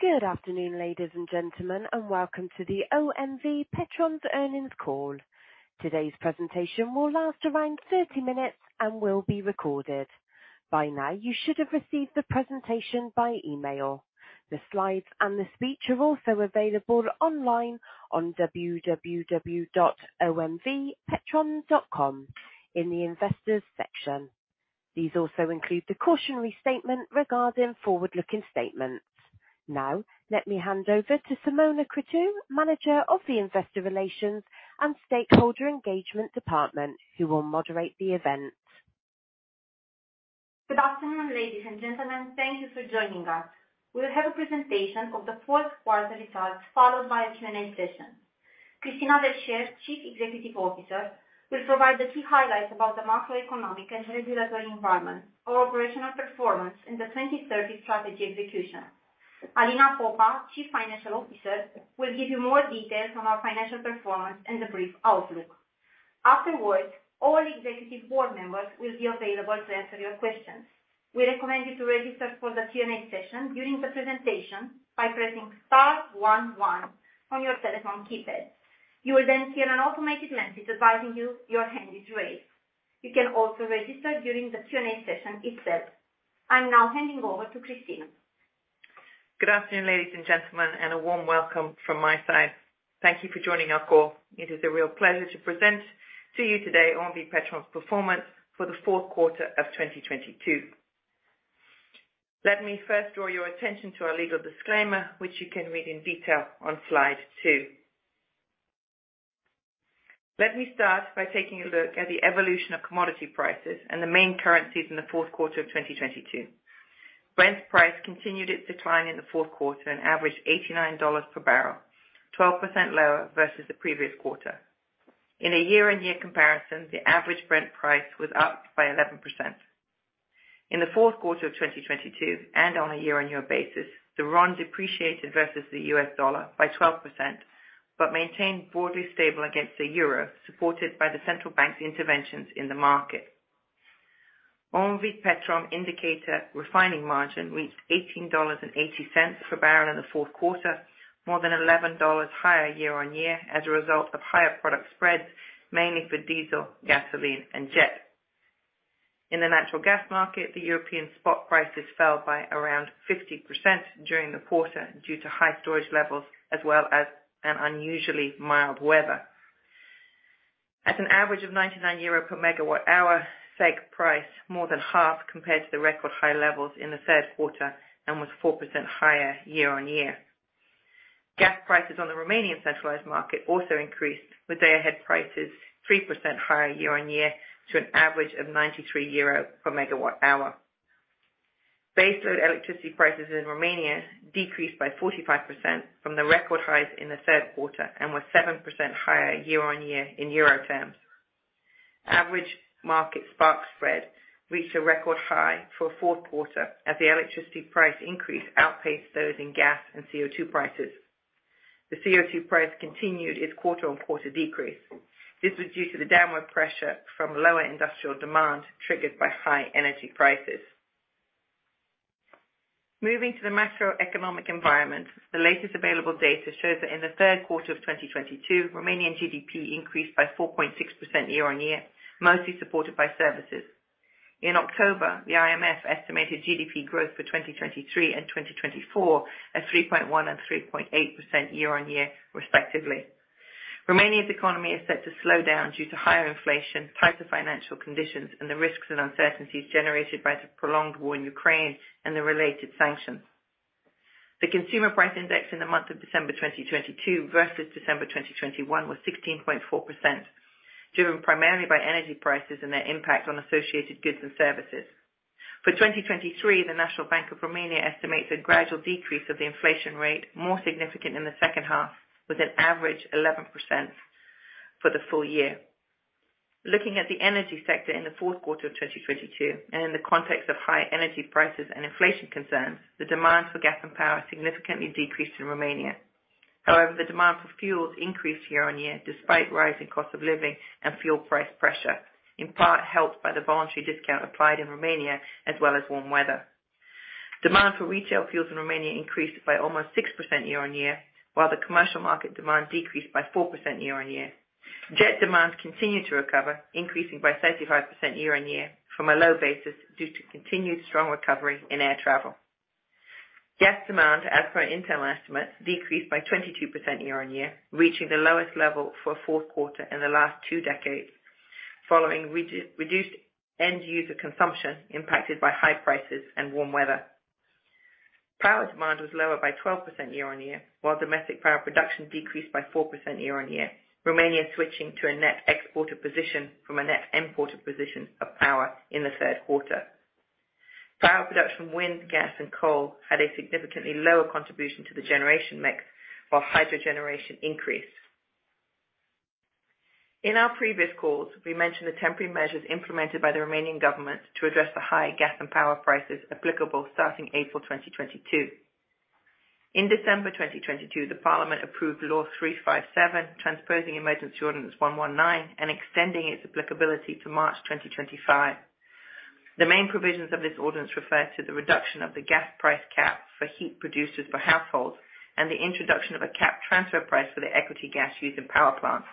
Good afternoon, ladies and gentlemen, welcome to the OMV Petrom earnings call. Today's presentation will last around 30 minutes and will be recorded. By now, you should have received the presentation by email. The slides and the speech are also available online on www.omvpetrom.com in the investors section. These also include the cautionary statement regarding forward-looking statements. Now, let me hand over to Simona Crutu, Manager of the Investor Relations and Stakeholder Engagement Department, who will moderate the event. Good afternoon, ladies and gentlemen. Thank you for joining us. We'll have a presentation of the fourth quarter results, followed by a Q&A session. Christina Verchere, Chief Executive Officer, will provide the key highlights about the macroeconomic and regulatory environment, our operational performance in the Strategy 2030 execution. Alina Popa, Chief Financial Officer, will give you more details on our financial performance and the brief outlook. Afterwards, all executive board members will be available to answer your questions. We recommend you to register for the Q&A session during the presentation by pressing star one one on your telephone keypad. You will then hear an automated message advising you your hand is raised. You can also register during the Q&A session if set. I'm now handing over to Christina. Good afternoon, ladies and gentlemen, and a warm welcome from my side. Thank you for joining our call. It is a real pleasure to present to you today OMV Petrom's performance for the fourth quarter of 2022. Let me first draw your attention to our legal disclaimer, which you can read in detail on slide 2. Let me start by taking a look at the evolution of commodity prices and the main currencies in the fourth quarter of 2022. Brent price continued its decline in the fourth quarter and averaged $89 per barrel, 12% lower versus the previous quarter. In a year-on-year comparison, the average Brent price was up by 11%. In the fourth quarter of 2022, and on a year-on-year basis, the RON depreciated versus the U.S. dollar by 12%, but maintained broadly stable against the euro, supported by the central bank's interventions in the market. OMV Petrom indicator refining margin reached $18.80 per barrel in the fourth quarter, more than $11 higher year-on-year as a result of higher product spreads, mainly for diesel, gasoline, and jet. In the natural gas market, the European spot prices fell by around 50% during the quarter due to high storage levels as well as an unusually mild weather. At an average of 99 euro per MWh, CEE price more than half compared to the record high levels in the third quarter and was 4% higher year-on-year. Gas prices on the Romanian centralized market also increased, with day-ahead prices 3% higher year-on-year to an average of 93 euro per MWh. Base load electricity prices in Romania decreased by 45% from the record highs in the third quarter and were 7% higher year-on-year in euro terms. Average market spark spread reached a record high for fourth quarter as the electricity price increase outpaced those in gas and CO2 prices. The CO2 price continued its quarter-on-quarter decrease. This was due to the downward pressure from lower industrial demand triggered by high energy prices. Moving to the macroeconomic environment, the latest available data shows that in the third quarter of 2022, Romanian GDP increased by 4.6% year-on-year, mostly supported by services. In October, the IMF estimated GDP growth for 2023 and 2024 at 3.1% and 3.8% year-on-year respectively. Romania's economy is set to slow down due to higher inflation, tighter financial conditions, and the risks and uncertainties generated by the prolonged war in Ukraine and the related sanctions. The consumer price index in the month of December 2022 versus December 2021 was 16.4%, driven primarily by energy prices and their impact on associated goods and services. For 2023, the National Bank of Romania estimates a gradual decrease of the inflation rate, more significant in the second half, with an average 11% for the full year. Looking at the energy sector in the fourth quarter of 2022, and in the context of high energy prices and inflation concerns, the demand for gas and power significantly decreased in Romania. The demand for fuels increased year-on-year despite rising cost of living and fuel price pressure, in part helped by the voluntary discount applied in Romania as well as warm weather. Demand for retail fuels in Romania increased by almost 6% year-on-year, while the commercial market demand decreased by 4% year-on-year. Jet demands continued to recover, increasing by 35% year-on-year from a low basis due to continued strong recovery in air travel. Gas demand, as per internal estimates, decreased by 22% year-on-year, reaching the lowest level for fourth quarter in the last two decades following reduced end-user consumption impacted by high prices and warm weather. Power demand was lower by 12% year-on-year, while domestic power production decreased by 4% year-on-year. Romania switching to a net exporter position from a net importer position of power in the third quarter. Power production wind, gas, and coal had a significantly lower contribution to the generation mix, while hydro generation increased. In our previous calls, we mentioned the temporary measures implemented by the Romanian government to address the high gas and power prices applicable starting April 2022. In December 2022, the parliament approved Law 357, transposing Emergency Ordinance 119 and extending its applicability to March 2025. The main provisions of this ordinance refer to the reduction of the gas price cap for heat producers for households and the introduction of a cap transfer price for the equity gas used in power plants.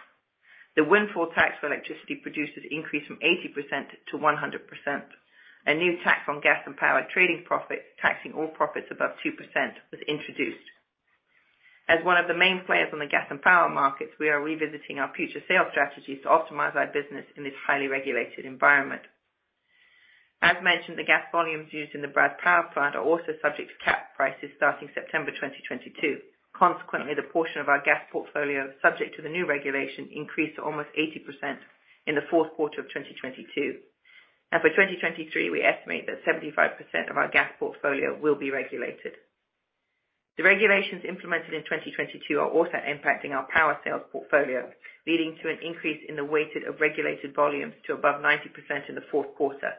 The windfall tax for electricity producers increased from 80%-100%. A new tax on gas and power trading profit, taxing all profits above 2% was introduced. As one of the main players on the gas and power markets, we are revisiting our future sales strategies to optimize our business in this highly regulated environment. As mentioned, the gas volumes used in the Brazi power plant are also subject to cap prices starting September 2022. The portion of our gas portfolio subject to the new regulation increased to almost 80% in the fourth quarter of 2022. For 2023, we estimate that 75% of our gas portfolio will be regulated. The regulations implemented in 2022 are also impacting our power sales portfolio, leading to an increase in the weighted of regulated volumes to above 90% in the fourth quarter.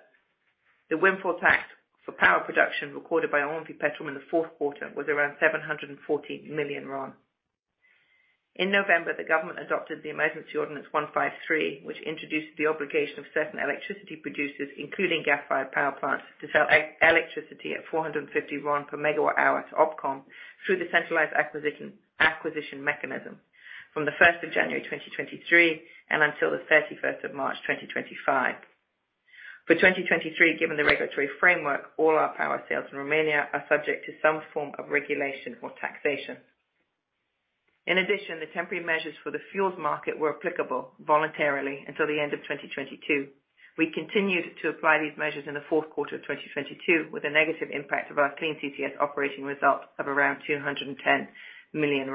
The windfall tax for power production recorded by OMV Petrom in the fourth quarter was around RON 714 million. In November, the government adopted the Emergency Ordinance 153, which introduced the obligation of certain electricity producers, including gas-fired power plants, to sell electricity at RON 450 per MWh to OPCOM through the centralized acquisition mechanism from the first of January 2023 and until the 31st of March 2025. For 2023, given the regulatory framework, all our power sales in Romania are subject to some form of regulation or taxation. In addition, the temporary measures for the fuels market were applicable voluntarily until the end of 2022. We continued to apply these measures in the fourth quarter of 2022, with a negative impact of our Clean CCS Operating Result of around RON 210 million.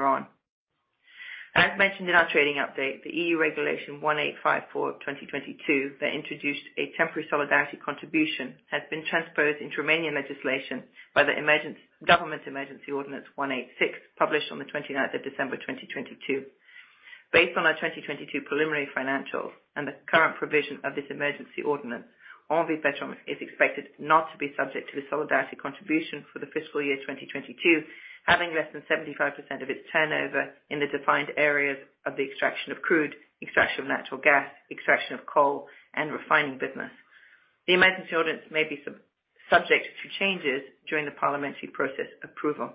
As mentioned in our trading update, the E.U. Regulation 1854 of 2022 that introduced a temporary solidarity contribution, has been transposed into Romanian legislation by the government Emergency Ordinance 186, published on the 29th of December 2022. Based on our 2022 preliminary financials and the current provision of this emergency ordinance, OMV Petrom is expected not to be subject to a solidarity contribution for the fiscal year 2022, having less than 75% of its turnover in the defined areas of the extraction of crude, extraction of natural gas, extraction of coal and refining business. The emergency ordinance may be subject to changes during the parliamentary process approval.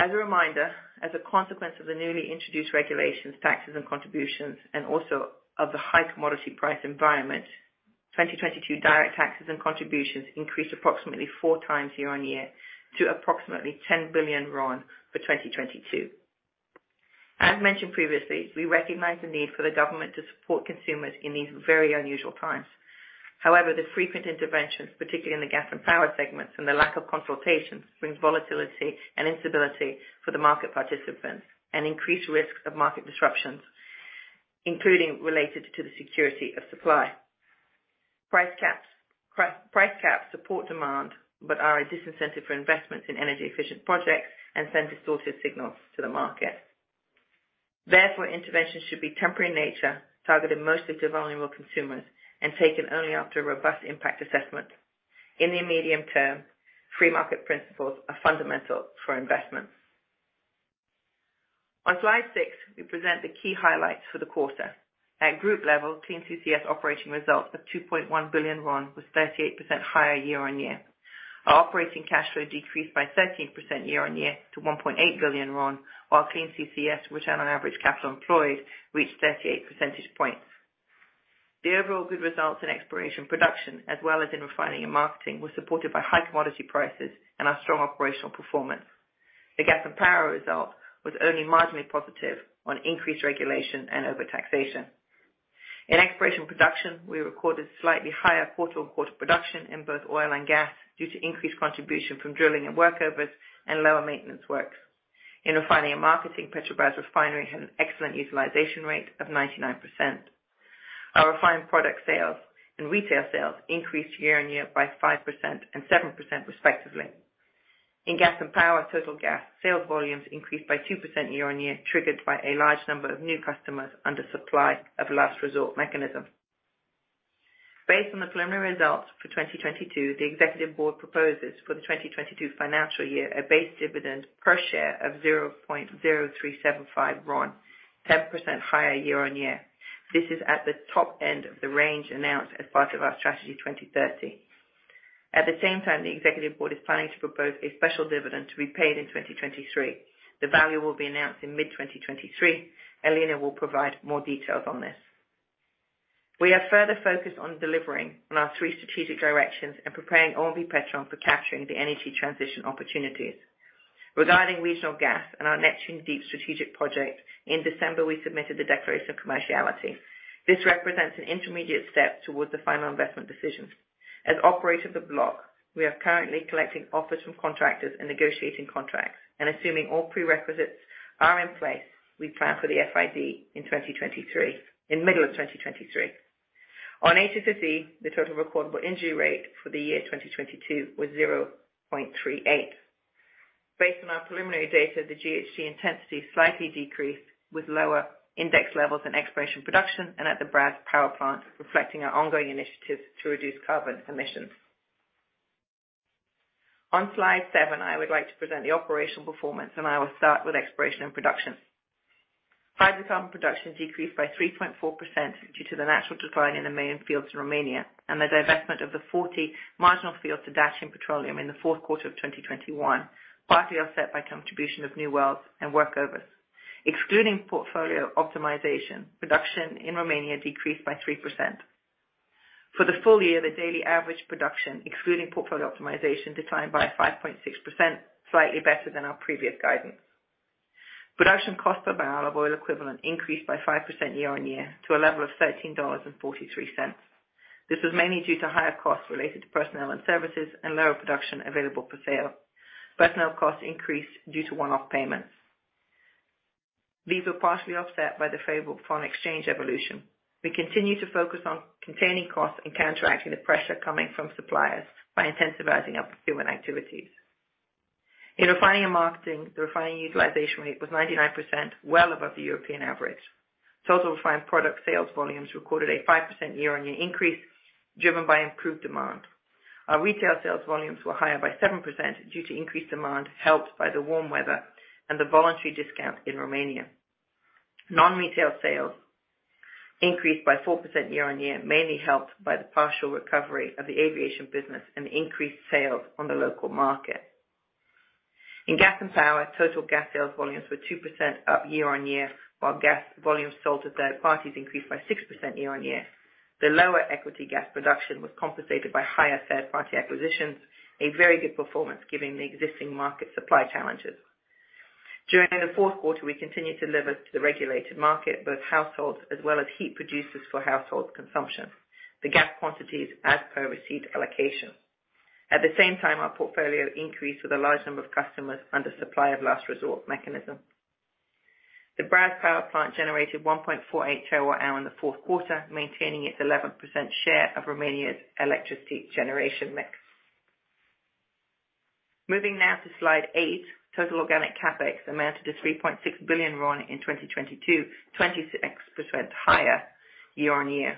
As a reminder, as a consequence of the newly introduced regulations, taxes and contributions, and also of the high commodity price environment, 2022 direct taxes and contributions increased approximately 4x year-on-year to approximately RON 10 billion for 2022. As mentioned previously, we recognize the need for the government to support consumers in these very unusual times. The frequent interventions, particularly in the gas and power segments and the lack of consultations, brings volatility and instability for the market participants and increased risks of market disruptions, including related to the security of supply. Price caps support demand, but are a disincentive for investments in energy efficient projects and send distorted signals to the market. Interventions should be temporary in nature, targeted mostly to vulnerable consumers, and taken only after a robust impact assessment. In the medium term, free market principles are fundamental for investments. On slide 6, we present the key highlights for the quarter. At group level, Clean CCS Operating Result of RON 2.1 billion was 38% higher year-on-year. Our operating cash flow decreased by 13% year-on-year to RON 1.8 billion, while Clean CCS Return on Average Capital Employed reached 38 percentage points. The overall good results in exploration production as well as in refining and marketing, was supported by high commodity prices and our strong operational performance. The gas and power result was only marginally positive on increased regulation and over taxation. In exploration production, we recorded slightly higher quarter-on-quarter production in both oil and gas due to increased contribution from drilling and workovers and lower maintenance works. In refining and marketing, Petrobrazi refinery had an excellent utilization rate of 99%. Our refined product sales and retail sales increased year on year by 5% and 7% respectively. In gas and power, total gas sales volumes increased by 2% year on year, triggered by a large number of new customers under supplier of last resort mechanism. Based on the preliminary results for 2022, the executive board proposes for the 2022 financial year a base dividend per share of RON 0.0375, 10% higher year on year. This is at the top end of the range announced as part of our Strategy 2030. At the same time, the executive board is planning to propose a special dividend to be paid in 2023. The value will be announced in mid 2023. Elena will provide more details on this. We are further focused on delivering on our three strategic directions and preparing OMV Petrom for capturing the energy transition opportunities. Regarding regional gas and our Neptun Deep strategic project, in December, we submitted the declaration of commerciality. This represents an intermediate step towards the final investment decision. As operator of the block, we are currently collecting offers from contractors and negotiating contracts. Assuming all prerequisites are in place, we plan for the FID in 2023, in middle of 2023. On HSE, the total recordable injury rate for the year 2022 was 0.38. Based on our preliminary data, the GHG intensity slightly decreased, with lower index levels in exploration production and at the Brazi power plant, reflecting our ongoing initiatives to reduce carbon emissions. On slide 7, I would like to present the operational performance, and I will start with exploration and production. Hydrocarbon production decreased by 3.4% due to the natural decline in the main fields in Romania and the divestment of the 40 marginal fields to Dacian Petroleum in the fourth quarter of 2021, partly offset by contribution of new wells and workovers. Excluding portfolio optimization, production in Romania decreased by 3%. For the full year, the daily average production, excluding portfolio optimization, declined by 5.6%, slightly better than our previous guidance. Production cost per barrel oil equivalent increased by 5% year-on-year to a level of $13.43. This was mainly due to higher costs related to personnel and services and lower production available for sale. Personnel costs increased due to one-off payments. These were partially offset by the favorable foreign exchange evolution. We continue to focus on containing costs and counteracting the pressure coming from suppliers by intensifying our procurement activities. In Refining and Marketing, the refining utilization rate was 99%, well above the European average. Total refined product sales volumes recorded a 5% year-on-year increase, driven by improved demand. Our retail sales volumes were higher by 7% due to increased demand, helped by the warm weather and the voluntary discount in Romania. Non-retail sales increased by 4% year-on-year, mainly helped by the partial recovery of the aviation business and increased sales on the local market. In gas and power, total gas sales volumes were 2% up year-on-year, while gas volumes sold to third parties increased by 6% year-on-year. The lower equity gas production was compensated by higher third-party acquisitions, a very good performance given the existing market supply challenges. During the fourth quarter, we continued to deliver to the regulated market, both households as well as heat producers for household consumption, the gas quantities as per received allocation. At the same time, our portfolio increased with a large number of customers under supply of last resort mechanism. The Brazi Power Plant generated 1.48 TWh in the fourth quarter, maintaining its 11% share of Romania's electricity generation mix. Moving now to slide 8. Total organic CapEx amounted to RON 3.6 billion in 2022, 26% higher year-on-year.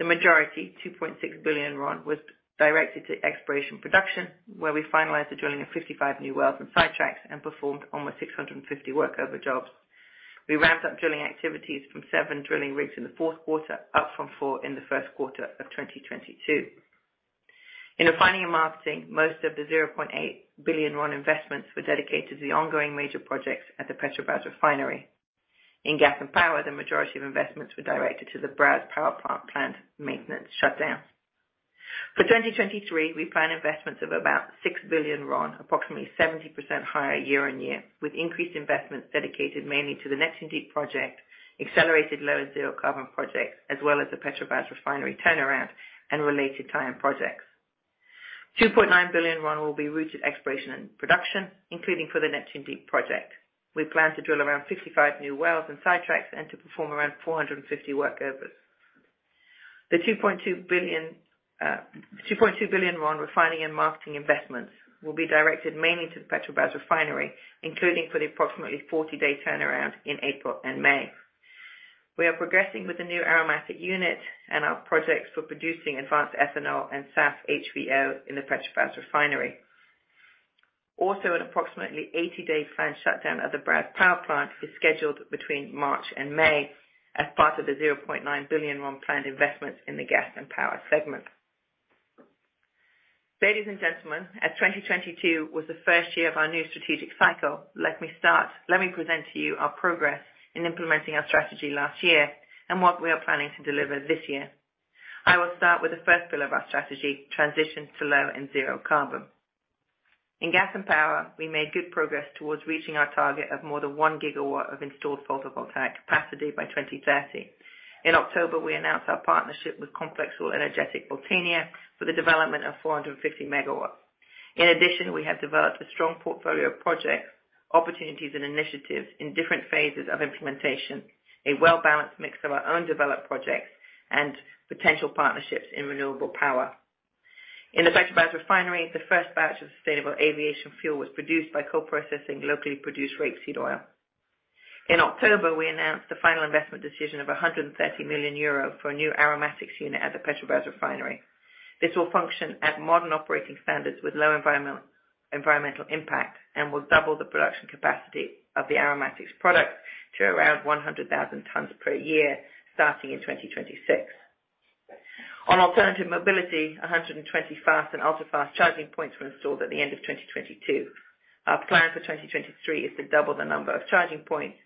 The majority, RON 2.6 billion was directed to exploration production, where we finalized the drilling of 55 new wells and sidetracks and performed almost 650 workover jobs. We ramped up drilling activities from seven drilling rigs in the fourth quarter up from 4 in the first quarter of 2022. In refining and marketing, most of the RON 0.8 billion investments were dedicated to the ongoing major projects at the Petrobrazi refinery. In gas and power, the majority of investments were directed to the Brazi power plant maintenance shutdown. For 2023, we plan investments of about RON 6 billion, approximately 70% higher year-on-year, with increased investments dedicated mainly to the Neptun Deep project, accelerated low and zero carbon projects, as well as the Petrobrazi refinery turnaround and related tie-in projects. RON 2.9 billion will be rooted exploration and production, including for the Neptun Deep project. We plan to drill around 55 new wells and sidetracks and to perform around 450 workovers. The RON 2.2 billion refining and marketing investments will be directed mainly to the Petrobrazi Refinery, including for the approximately 40-day turnaround in April and May. We are progressing with the new aromatics unit and our projects for producing advanced ethanol and SAF HVO in the Petrobrazi Refinery. Also, an approximately 80-day planned shutdown of the Brazi Power Plant is scheduled between March and May as part of the RON 0.9 billion planned investments in the gas and power segment. Ladies and gentlemen, as 2022 was the first year of our new strategic cycle, let me present to you our progress in implementing our strategy last year and what we are planning to deliver this year. I will start with the first pillar of our strategy, transition to low and zero carbon. In gas and power, we made good progress towards reaching our target of more than 1 GW of installed photovoltaic capacity by 2030. In October, we announced our partnership with Complexul Energetic Oltenia for the development of 450 MW. In addition, we have developed a strong portfolio of projects, opportunities and initiatives in different phases of implementation, a well-balanced mix of our own developed projects and potential partnerships in renewable power. In the Petrobrazi Refinery, the first batch of sustainable aviation fuel was produced by co-processing locally produced rapeseed oil. In October, we announced the final investment decision of 130 million euro for a new aromatics unit at the Petrobrazi Refinery. This will function at modern operating standards with low environmental impact and will double the production capacity of the aromatics product to around 100,000 tons per year, starting in 2026. On alternative mobility, 120 fast and ultra-fast charging points were installed at the end of 2022. Our plan for 2023 is to double the number of charging points,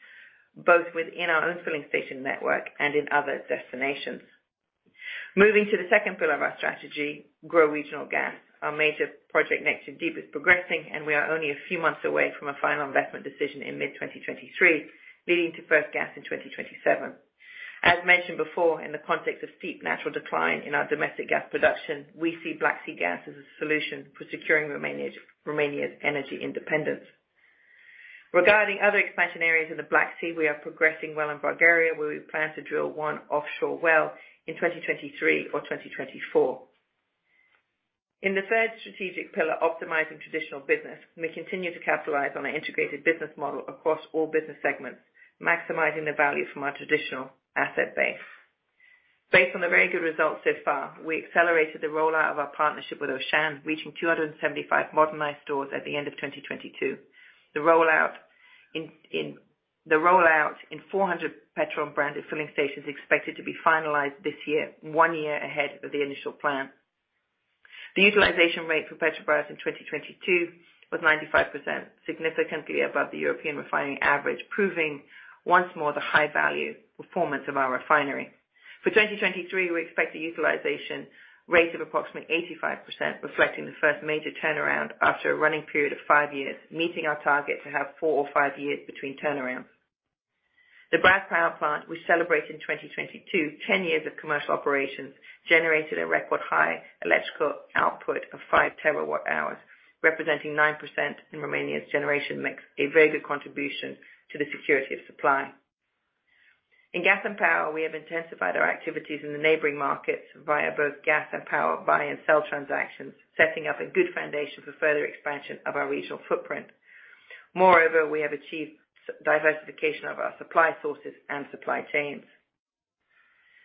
both within our own filling station network and in other destinations. Moving to the second pillar of our strategy, grow regional gas. Our major project, Neptun Deep, is progressing, and we are only a few months away from a final investment decision in mid-2023, leading to first gas in 2027. As mentioned before, in the context of steep natural decline in our domestic gas production, we see Black Sea gas as a solution for securing Romania's energy independence. Regarding other expansion areas in the Black Sea, we are progressing well in Bulgaria, where we plan to drill one offshore well in 2023 or 2024. In the third strategic pillar, optimizing traditional business, we continue to capitalize on our integrated business model across all business segments, maximizing the value from our traditional asset base. Based on the very good results so far, we accelerated the rollout of our partnership with Auchan, reaching 275 modernized stores at the end of 2022. The rollout in 400 Petrom-branded filling stations expected to be finalized this year, one year ahead of the initial plan. The utilization rate for Petrobrazi in 2022 was 95%, significantly above the European refining average, proving once more the high value performance of our refinery. For 2023, we expect a utilization rate of approximately 85%, reflecting the first major turnaround after a running period of five years, meeting our target to have four or five years between turnarounds. The Brazi power plant, we celebrate in 2022, 10 years of commercial operations, generated a record high electrical output of 5 TWh, representing 9% in Romania's generation mix, a very good contribution to the security of supply. In gas and power, we have intensified our activities in the neighboring markets via both gas and power buy and sell transactions, setting up a good foundation for further expansion of our regional footprint. Moreover, we have achieved diversification of our supply sources and supply chains.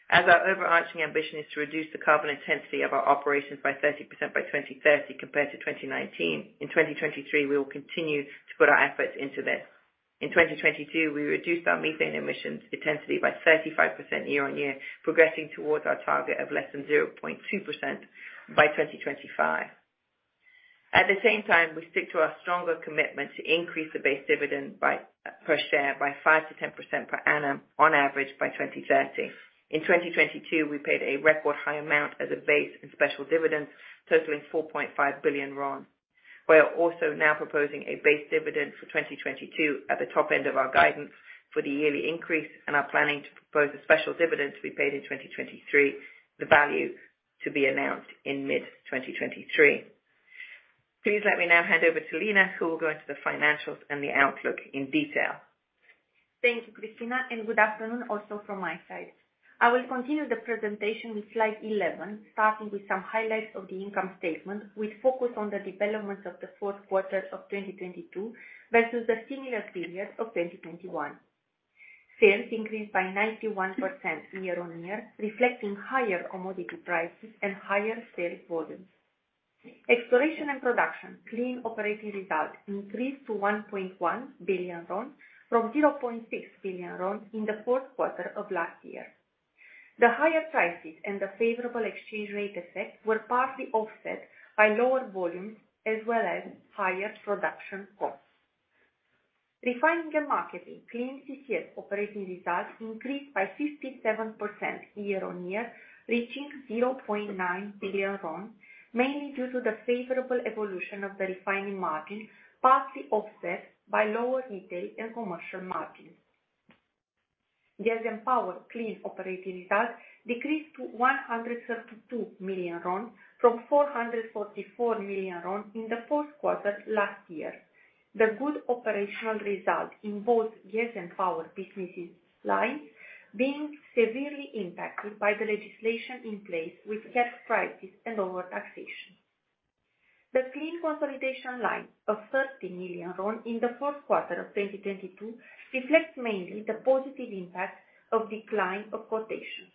As our overarching ambition is to reduce the carbon intensity of our operations by 30% by 2030 compared to 2019, in 2023, we will continue to put our efforts into this. In 2022, we reduced our methane emissions intensity by 35% year-on-year, progressing towards our target of less than 0.2% by 2025. At the same time, we stick to our stronger commitment to increase the base dividend per share by 5%-10% per annum on average by 2030. In 2022, we paid a record high amount as a base in special dividends, totaling RON 4.5 billion. We are also now proposing a base dividend for 2022 at the top end of our guidance for the yearly increase and are planning to propose a special dividend to be paid in 2023, the value to be announced in mid-2023. Please let me now hand over to Alina, who will go into the financials and the outlook in detail. Thank you, Christina, and good afternoon also from my side. I will continue the presentation with slide 11, starting with some highlights of the income statement, with focus on the developments of the fourth quarter of 2022 versus the similar period of 2021. Sales increased by 91% year-on-year, reflecting higher commodity prices and higher sales volumes. Exploration and production clean operating results increased to RON 1.1 billion from RON 0.6 billion in the fourth quarter of last year. The higher prices and the favorable exchange rate effect were partly offset by lower volumes as well as higher production costs. Refining and Marketing Clean CCS Operating Results increased by 57% year-on-year, reaching RON 0.9 billion, mainly due to the favorable evolution of the refining margin, partly offset by lower retail and commercial margins. Gas and power clean operating results decreased to RON 132 million from RON 444 million in the fourth quarter last year. The good operational results in both gas and power businesses line being severely impacted by the legislation in place with gas prices and lower taxation. The clean consolidation line of RON 30 million in the fourth quarter of 2022 reflects mainly the positive impact of decline of quotations.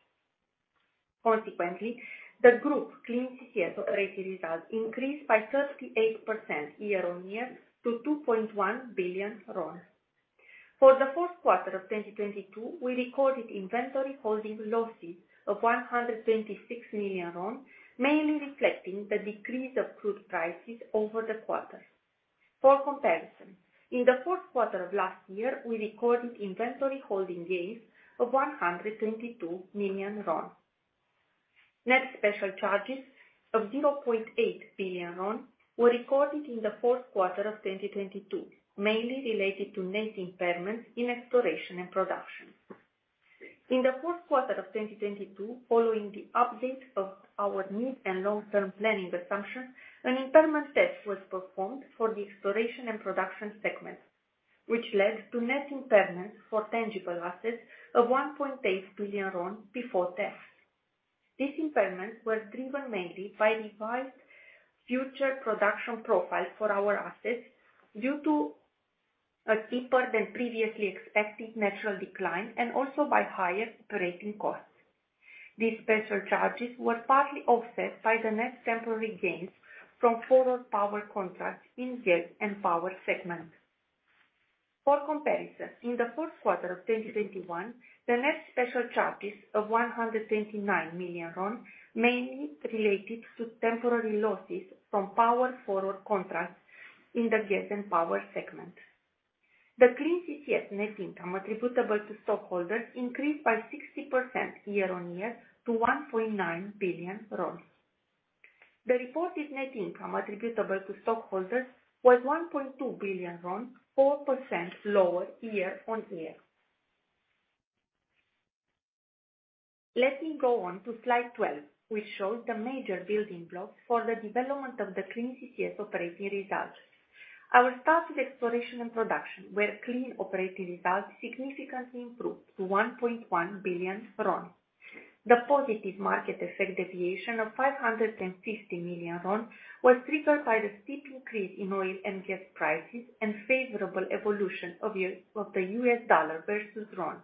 Consequently, the group Clean CCS Operating Result increased by 38% year-on-year to RON 2.1 billion. For the fourth quarter of 2022, we recorded inventory holding losses of RON 126 million, mainly reflecting the decrease of crude prices over the quarter. For comparison, in the fourth quarter of last year, we recorded inventory holding gains of RON 122 million. Net special charges of RON 0.8 billion were recorded in the fourth quarter of 2022, mainly related to net impairments in exploration and production. In the fourth quarter of 2022, following the update of our mid and long-term planning assumption, an impairment test was performed for the exploration and production segment, which led to net impairments for tangible assets of RON 1.8 billion before tax. These impairments were driven mainly by revised future production profiles for our assets due to a steeper than previously expected natural decline and also by higher operating costs. These special charges were partly offset by the net temporary gains from forward power contracts in gas and power segment. For comparison, in the fourth quarter of 2021, the net special charges of RON 129 million mainly related to temporary losses from power forward contracts in the gas and power segment. The Clean CCS net income attributable to stockholders increased by 60% year-on-year to RON 1.9 billion. The reported net income attributable to stockholders was RON 1.2 billion, 4% lower year-on-year. Let me go on to slide 12, which shows the major building blocks for the development of the Clean CCS Operating Results. I will start with exploration and production, where clean operating results significantly improved to RON 1.1 billion. The positive market effect deviation of RON 550 million was triggered by the steep increase in oil and gas prices and favorable evolution of the U.S. dollar versus RON.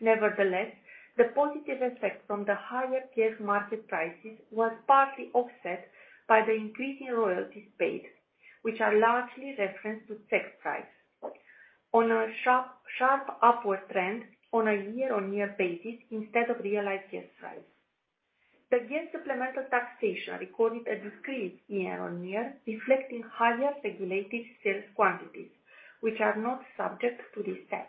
Nevertheless, the positive effect from the higher gas market prices was partly offset by the increase in royalties paid, which are largely referenced to gas price. On a sharp upward trend on a year-on-year basis instead of realized gas price. The gas supplementary taxation recorded a discrete year-on-year, reflecting higher regulated sales quantities, which are not subject to this tax.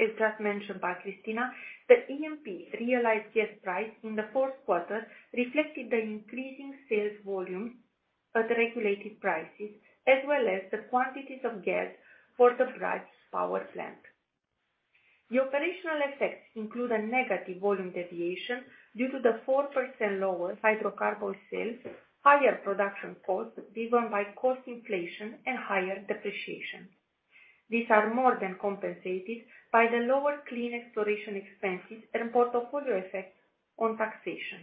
As just mentioned by Christina, the EMP realized gas price in the fourth quarter reflected the increasing sales volume at regulated prices, as well as the quantities of gas for the Brazi Power Plant. The operational effects include a negative volume deviation due to the 4% lower hydrocarbon sales, higher production costs driven by cost inflation and higher depreciation. These are more than compensated by the lower clean exploration expenses and portfolio effects on taxation.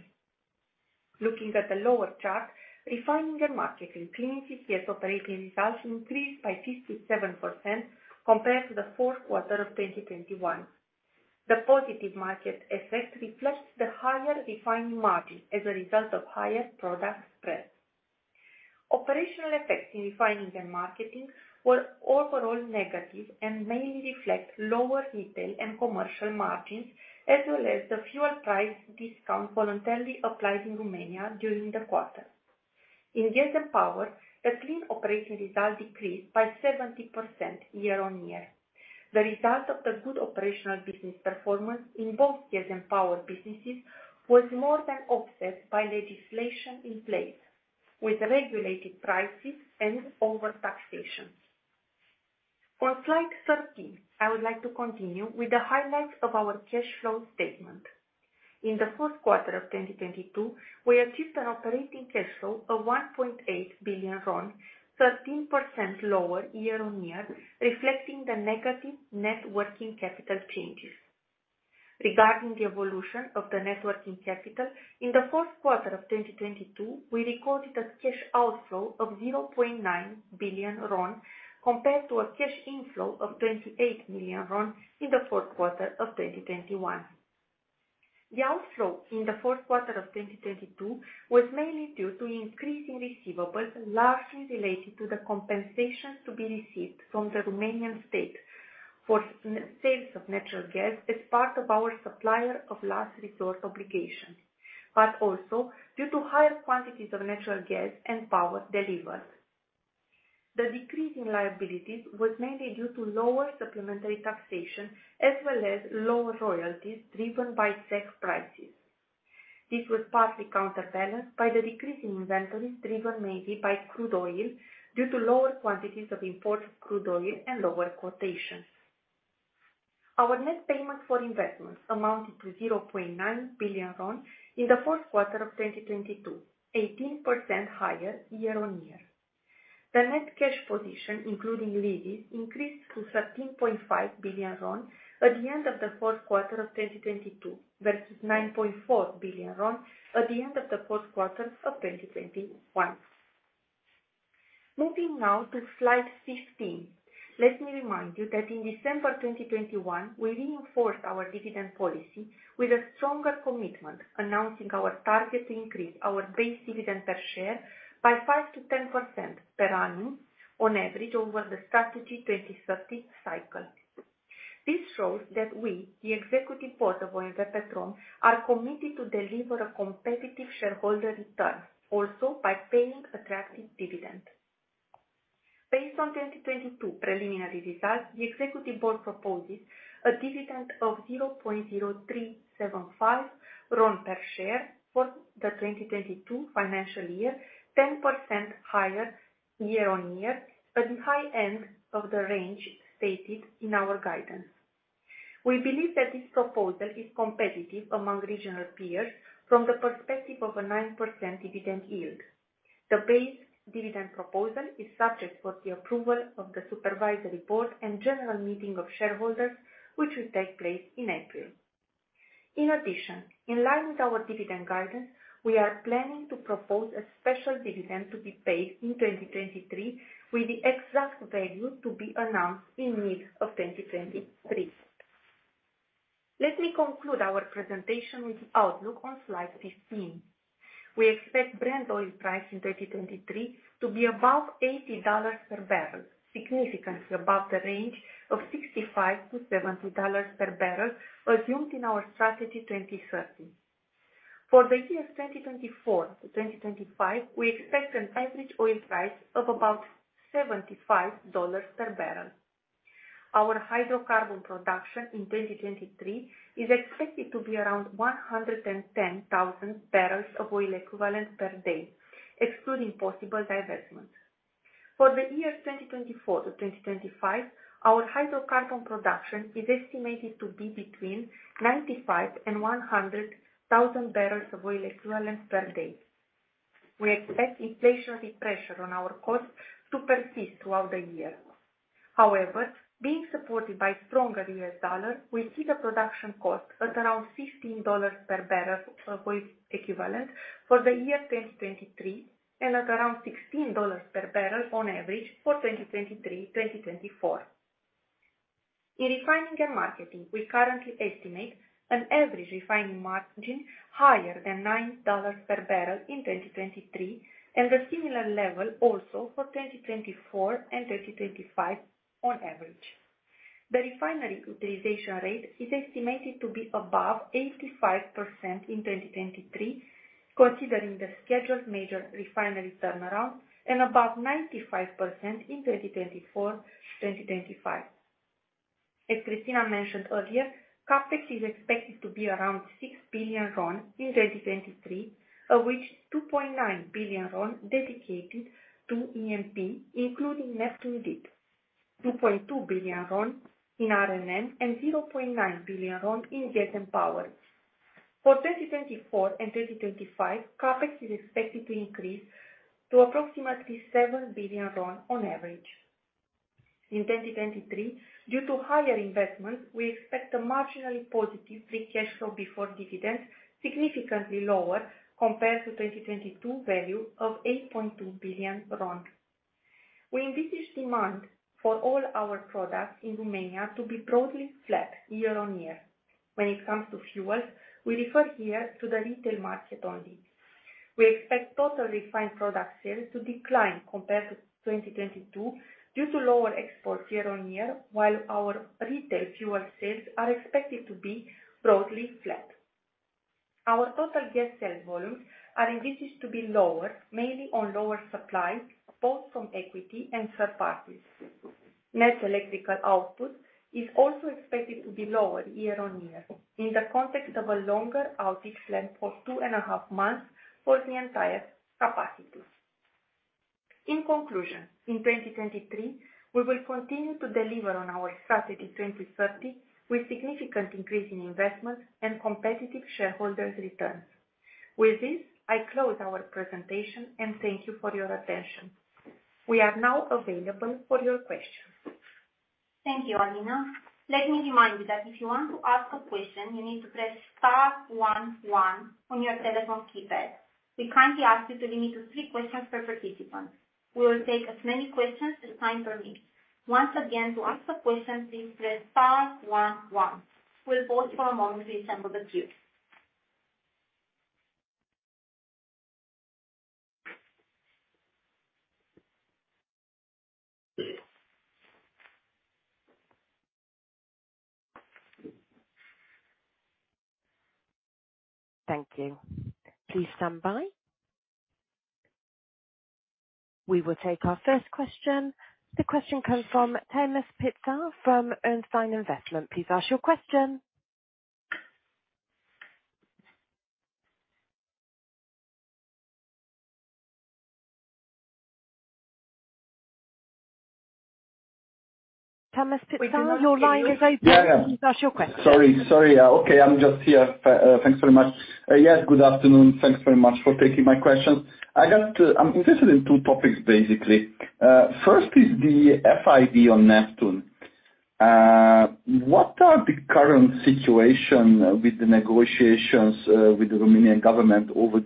Looking at the lower chart, Refining and Marketing Clean CCS Operating Results increased by 57% compared to the fourth quarter of 2021. The positive market effect reflects the higher refining margin as a result of higher product spread. Operational effects in Refining and Marketing were overall negative and mainly reflect lower retail and commercial margins, as well as the fuel price discount voluntarily applied in Romania during the quarter. In Gas and Power, the clean operating result decreased by 70% year-on-year. The result of the good operational business performance in both Gas and Power businesses was more than offset by legislation in place with regulated prices and overtaxation. On slide 13, I would like to continue with the highlights of our cash flow statement. In the fourth quarter of 2022, we achieved an operating cash flow of RON 1.8 billion, 13% lower year-on-year, reflecting the negative net working capital changes. Regarding the evolution of the net working capital, in the fourth quarter of 2022, we recorded a cash outflow of RON 0.9 billion compared to a cash inflow of RON 28 million in the fourth quarter of 2021. The outflow in the fourth quarter of 2022 was mainly due to increasing receivables, largely related to the compensations to be received from the Romanian state for sales of natural gas as part of our supplier of last resort obligation. Also due to higher quantities of natural gas and power delivered. The decrease in liabilities was mainly due to lower supplementary taxation, as well as lower royalties driven by gas prices. This was partly counterbalanced by the decrease in inventories, driven mainly by crude oil due to lower quantities of imports of crude oil and lower quotations. Our net payment for investments amounted to RON 0.9 billion in the fourth quarter of 2022, 18% higher year-on-year. The net cash position, including leases, increased to RON 13.5 billion at the end of the fourth quarter of 2022 versus RON 9.4 billion at the end of the fourth quarter of 2021. Moving now to slide 15. Let me remind you that in December 2021, we reinforced our dividend policy with a stronger commitment, announcing our target to increase our base dividend per share by 5%-10% per annum on average over the Strategy 2030 cycle. This shows that we, the executive board of OMV Petrom, are committed to deliver a competitive shareholder return also by paying attractive dividend. Based on 2022 preliminary results, the executive board proposes a dividend of RON 0.0375 per share for the 2022 financial year, 10% higher year-on-year at the high end of the range stated in our guidance. We believe that this proposal is competitive among regional peers from the perspective of a 9% dividend yield. The base dividend proposal is subject for the approval of the supervisory board and general meeting of shareholders, which will take place in April. In line with our dividend guidance, we are planning to propose a special dividend to be paid in 2023, with the exact value to be announced in mid of 2023. Let me conclude our presentation with the outlook on slide 15. We expect Brent oil price in 2023 to be above $80 per barrel, significantly above the range of $65-$70 per barrel assumed in our Strategy 2030. For the years 2024-2025, we expect an average oil price of about $75 per barrel. Our hydrocarbon production in 2023 is expected to be around 110,000 bbl of oil equivalent per day, excluding possible divestment. For the years 2024-2025, our hydrocarbon production is estimated to be between 95,000 and 100,000 bbl of oil equivalent per day. We expect inflationary pressure on our costs to persist throughout the year. Being supported by stronger U.S. dollar, we see the production cost at around $15 per barrel of oil equivalent for the year 2023 and at around $16 per barrel on average for 2023, 2024. In refining and marketing, we currently estimate an average refining margin higher than $9 per barrel in 2023, and a similar level also for 2024 and 2025 on average. The refinery utilization rate is estimated to be above 85% in 2023, considering the scheduled major refinery turnaround and above 95% in 2024, 2025. As Christina mentioned earlier, CapEx is expected to be around RON 6 billion in 2023, of which RON 2.9 billion dedicated to EMP, including Neptun Deep, RON 2.2 billion in R&M, and RON 0.9 billion in gas and power. For 2024 and 2025, CapEx is expected to increase to approximately RON 7 billion on average. In 2023, due to higher investments, we expect a marginally positive free cash flow before dividends significantly lower compared to 2022 value of RON 8.2 billion. We envisage demand for all our products in Romania to be broadly flat year-on-year. When it comes to fuel, we refer here to the retail market only. We expect total refined product sales to decline compared to 2022 due to lower exports year-on-year, while our retail fuel sales are expected to be broadly flat. Our total gas sales volumes are envisaged to be lower, mainly on lower supply, both from equity and third parties. Net electrical output is also expected to be lower year-over-year in the context of a longer outage length for two and a half months for the entire capacity. In conclusion, in 2023, we will continue to deliver on our Strategy 2030 with significant increase in investment and competitive shareholders returns. With this, I close our presentation and thank you for your attention. We are now available for your questions. Thank you, Alina. Let me remind you that if you want to ask a question, you need to press star one one on your telephone keypad. We kindly ask you to limit to three questions per participant. We will take as many questions as time permits. Once again, to ask a question, please press star one one. We'll pause for a moment to assemble the queue. Thank you. Please stand by. We will take our first question. The question comes from Tamas Pletser from Erste Group. Please ask your question. Tamas Pletser, your line is open. Yeah, yeah. Please ask your question. Sorry. Sorry. Okay, I'm just here. Thanks very much. Yes, good afternoon. Thanks very much for taking my question. I got. I'm interested in two topics, basically. First is the FID on Neptune. What are the current situation with the negotiations with the Romanian government over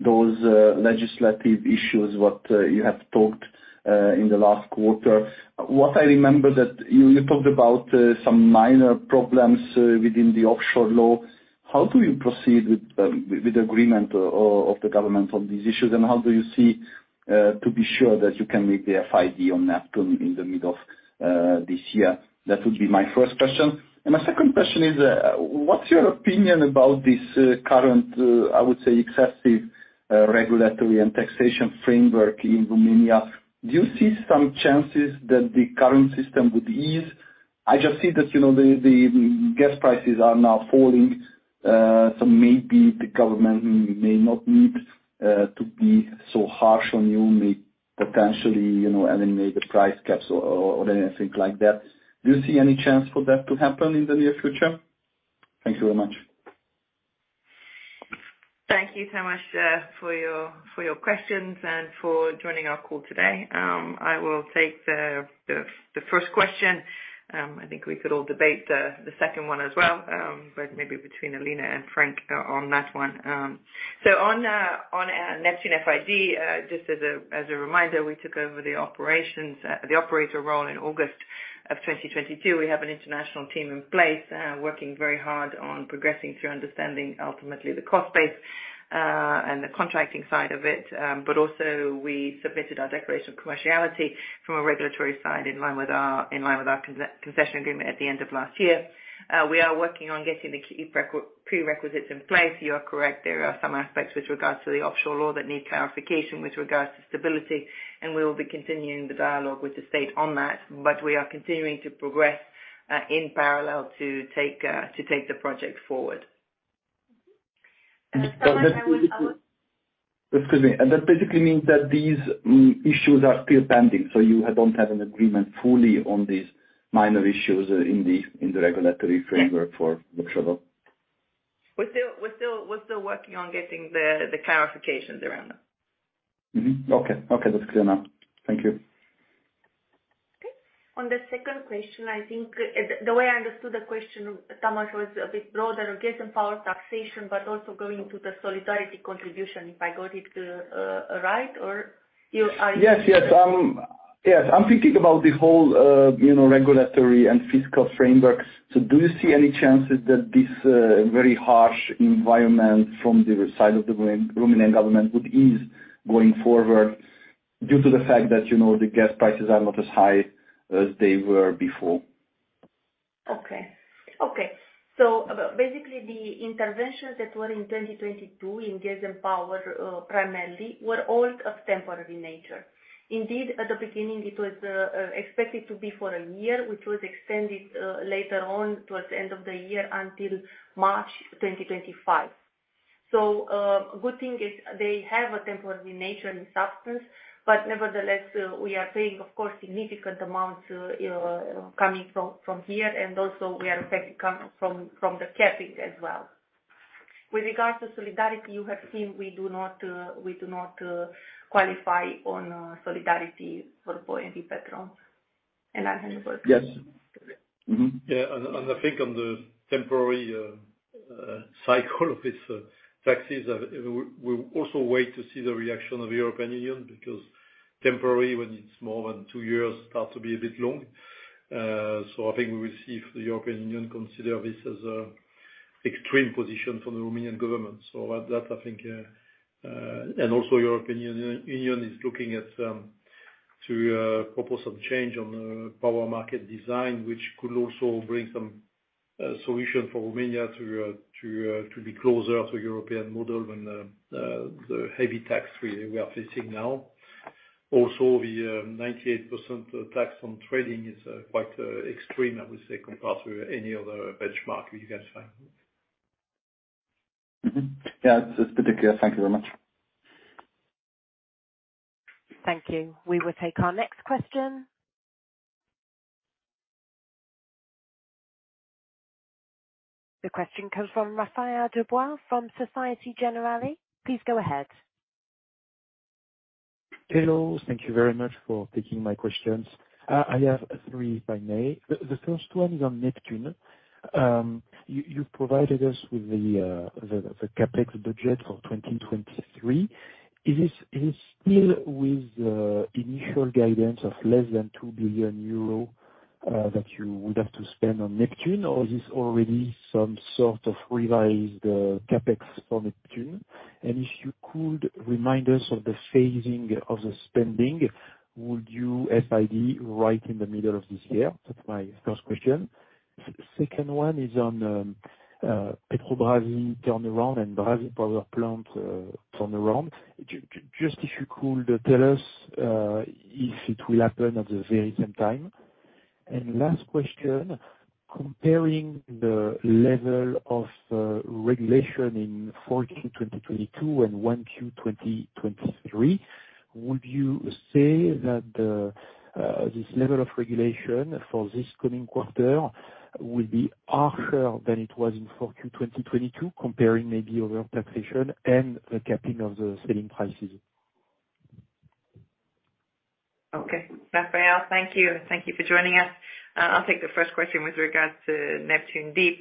those legislative issues, what you have talked in the last quarter? What I remember that you talked about some minor problems within the offshore law. How do you proceed with agreement of the government on these issues? How do you see to be sure that you can make the FID on Neptune in the middle of this year? That would be my first question. My second question is what's your opinion about this current, I would say, excessive, regulatory and taxation framework in Romania? Do you see some chances that the current system would ease? I just see that, you know, the gas prices are now falling, so maybe the government may not need to be so harsh on you, may potentially, you know, eliminate the price caps or anything like that. Do you see any chance for that to happen in the near future? Thank you very much. Thank you, Tamas, for your questions and for joining our call today. I will take the first question. I think we could all debate the second one as well, but maybe between Alina and Franck on that one. On Neptun Deep FID, just as a reminder, we took over the operations, the operator role in August of 2022. We have an international team in place, working very hard on progressing through understanding ultimately the cost base and the contracting side of it. Also we submitted our declaration of commerciality from a regulatory side in line with our concession agreement at the end of last year. We are working on getting the key prerequisites in place. You are correct. There are some aspects with regards to the offshore law that need clarification with regards to stability, and we will be continuing the dialogue with the state on that. But we are continuing to progress in parallel to take the project forward. Tamas. Excuse me. That basically means that these issues are still pending. You don't have an agreement fully on these minor issues in the, in the regulatory framework for the offshore law. We're still working on getting the clarifications around that. Okay. Okay, that's clear now. Thank you. Okay. On the second question, I think the way I understood the question, Tamas, was a bit broader. Gas and power taxation, but also going to the solidarity contribution, if I got it right? Yes. I'm thinking about the whole, you know, regulatory and fiscal frameworks. Do you see any chances that this very harsh environment from the side of the Romanian Government would ease going forward due to the fact that, you know, the gas prices are not as high as they were before? Okay. Okay. Basically, the interventions that were in 2022 in gas and power, primarily were all of temporary nature. Indeed, at the beginning, it was expected to be for a year, which was extended later on towards the end of the year until March 2025. Good thing is they have a temporary nature and substance, but nevertheless, we are paying, of course, significant amounts coming from here, and also we are affected coming from the capping as well. With regards to solidarity, you have seen we do not qualify on solidarity for OMV Petrom. I'll hand over to you. Yes. Mm-hmm. Yeah. I think on the temporary cycle of these taxes, we also wait to see the reaction of the European Union, because temporary, when it's more than two years, start to be a bit long. I think we will see if the European Union consider this as a extreme position from the Romanian government. That I think, European Union is looking at to propose some change on the power market design, which could also bring some solution for Romania to be closer to European model than the heavy tax regime we are facing now. Also, the 98% tax on trading is quite extreme, I would say, compared to any other benchmark you can find. Yeah, it's pretty clear. Thank you very much. Thank you. We will take our next question. The question comes from Raphaël Dubois from Société Générale. Please go ahead. Hello. Thank you very much for taking my questions. I have three if I may. The first one is on Neptune. You provided us with the CapEx budget for 2023. Is this still with the initial guidance of less than 2 billion euros that you would have to spend on Neptune? Is this already some sort of revised CapEx for Neptune? If you could remind us of the phasing of the spending, would you FID right in the middle of this year? That's my first question. Second one is on Petrobrazi turnaround and Brazi power plant turnaround. Just if you could tell us if it will happen at the very same time. Last question, comparing the level of regulation in Q4 2022 and Q1 2023, would you say that this level of regulation for this coming quarter will be harsher than it was in Q4 2022, comparing maybe over taxation and the capping of the selling prices? Okay. Raphaël, thank you. Thank you for joining us. I'll take the first question with regards to Neptun Deep.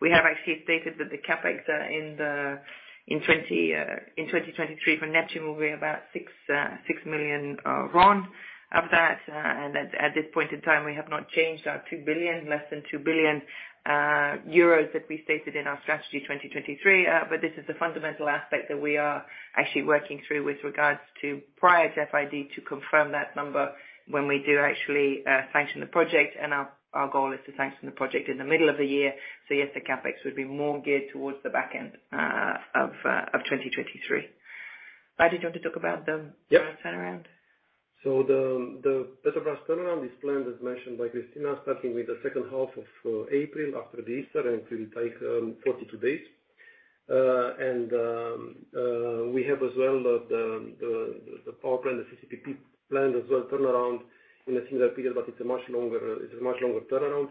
We have actually stated that the CapEx in 2023 for Neptun will be about RON 6 million of that. At this point in time, we have not changed our 2 billion, less than 2 billion euros that we stated in our Strategy 2023. This is the fundamental aspect that we are actually working through with regards to prior to FID to confirm that number when we do actually sanction the project. Our goal is to sanction the project in the middle of the year. Yes, the CapEx would be more geared towards the back end of 2023. Radu, do you want to talk about? Yeah. -turnaround? The Petrobrazi turnaround is planned, as mentioned by Christina, starting with the second half of April after the Easter, and it will take 42 days. We have as well the power plant, the CCPP plant as well turnaround in a similar period, but it's a much longer turnaround.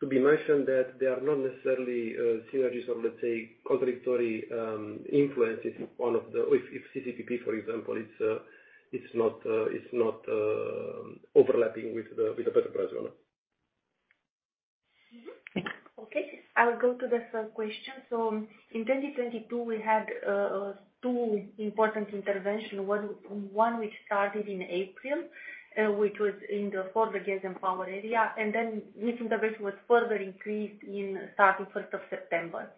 To be mentioned that they are not necessarily synergies or, let's say, contradictory influence if one of the... If CCPP, for example, it's not overlapping with the Petrobrazi one. Mm-hmm. Thank you. Okay. I'll go to the third question. In 2022, we had two important intervention. One which started in April, which was in the four, the gas and power area. This intervention was further increased in starting 1st of September.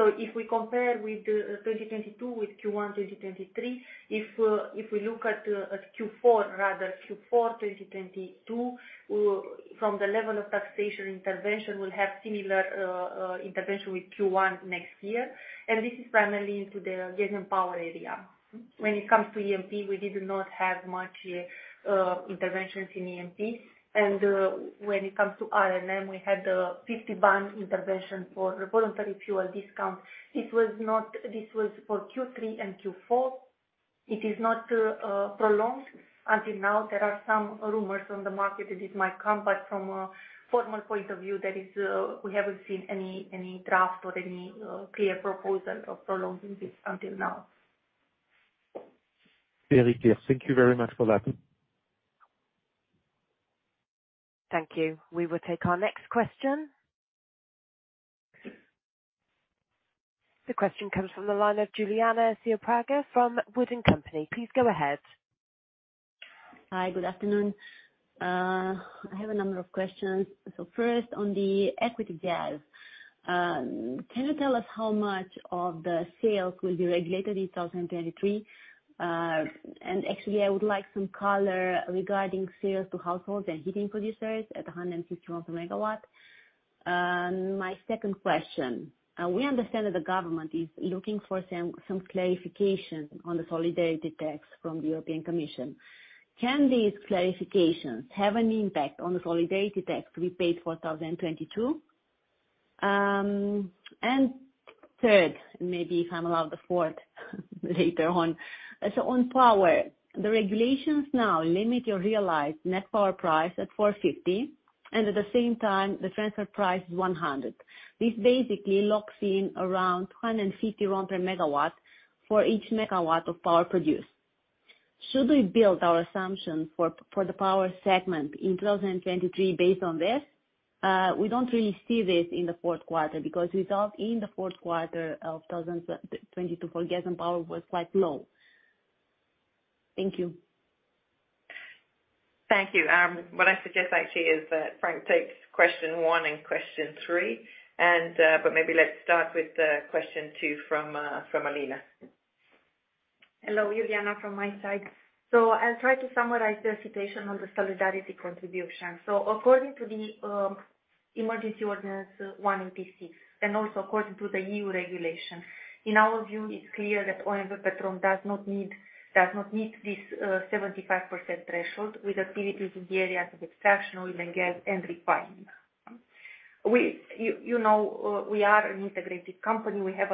If we compare with 2022 with Q1 2023, if we look at Q4, rather, Q4 2022, from the level of taxation intervention, we'll have similar intervention with Q1 next year. This is primarily into the gas and power area. When it comes to EMP, we did not have much interventions in EMP. When it comes to RON, we had a 50 bani intervention for voluntary fuel discount. This was for Q3 and Q4. It is not prolonged. Until now, there are some rumors on the market that it might come, but from a formal point of view, that is, we haven't seen any draft or any clear proposal of prolonging this until now. Very clear. Thank you very much for that. Thank you. We will take our next question. The question comes from the line of Iuliana Ciopraga from Wood & Company. Please go ahead. Hi, good afternoon. I have a number of questions. First, on the equity gas, can you tell us how much of the sales will be regulated in 2023? Actually, I would like some color regarding sales to households and heating producers at 150 RON per MW. My second question. We understand that the government is looking for some clarification on the solidarity tax from the European Commission. Can these clarifications have an impact on the solidarity tax to be paid for 2022? Third, maybe if I'm allowed, the fourth later on. On power, the regulations now limit your realized net power price at 450, and at the same time, the transfer price is 100. This basically locks in around RON 250 per MW for each MW of power produced. Should we build our assumption for the power segment in 2023 based on this? We don't really see this in the fourth quarter because results in the fourth quarter of 2022 for gas and power was quite low. Thank you. Thank you. What I suggest actually is that Franck takes question one and question three. Maybe let's start with the question two from Alina. Hello, Iuliana from my side. I'll try to summarize the situation on the solidarity contribution. According to the Emergency Ordinance 186, and also according to the E.U. regulation, in our view, it's clear that OMV Petrom does not need, does not meet this 75% threshold with activities in the areas of extraction, oil and gas, and refining. You know, we are an integrated company. These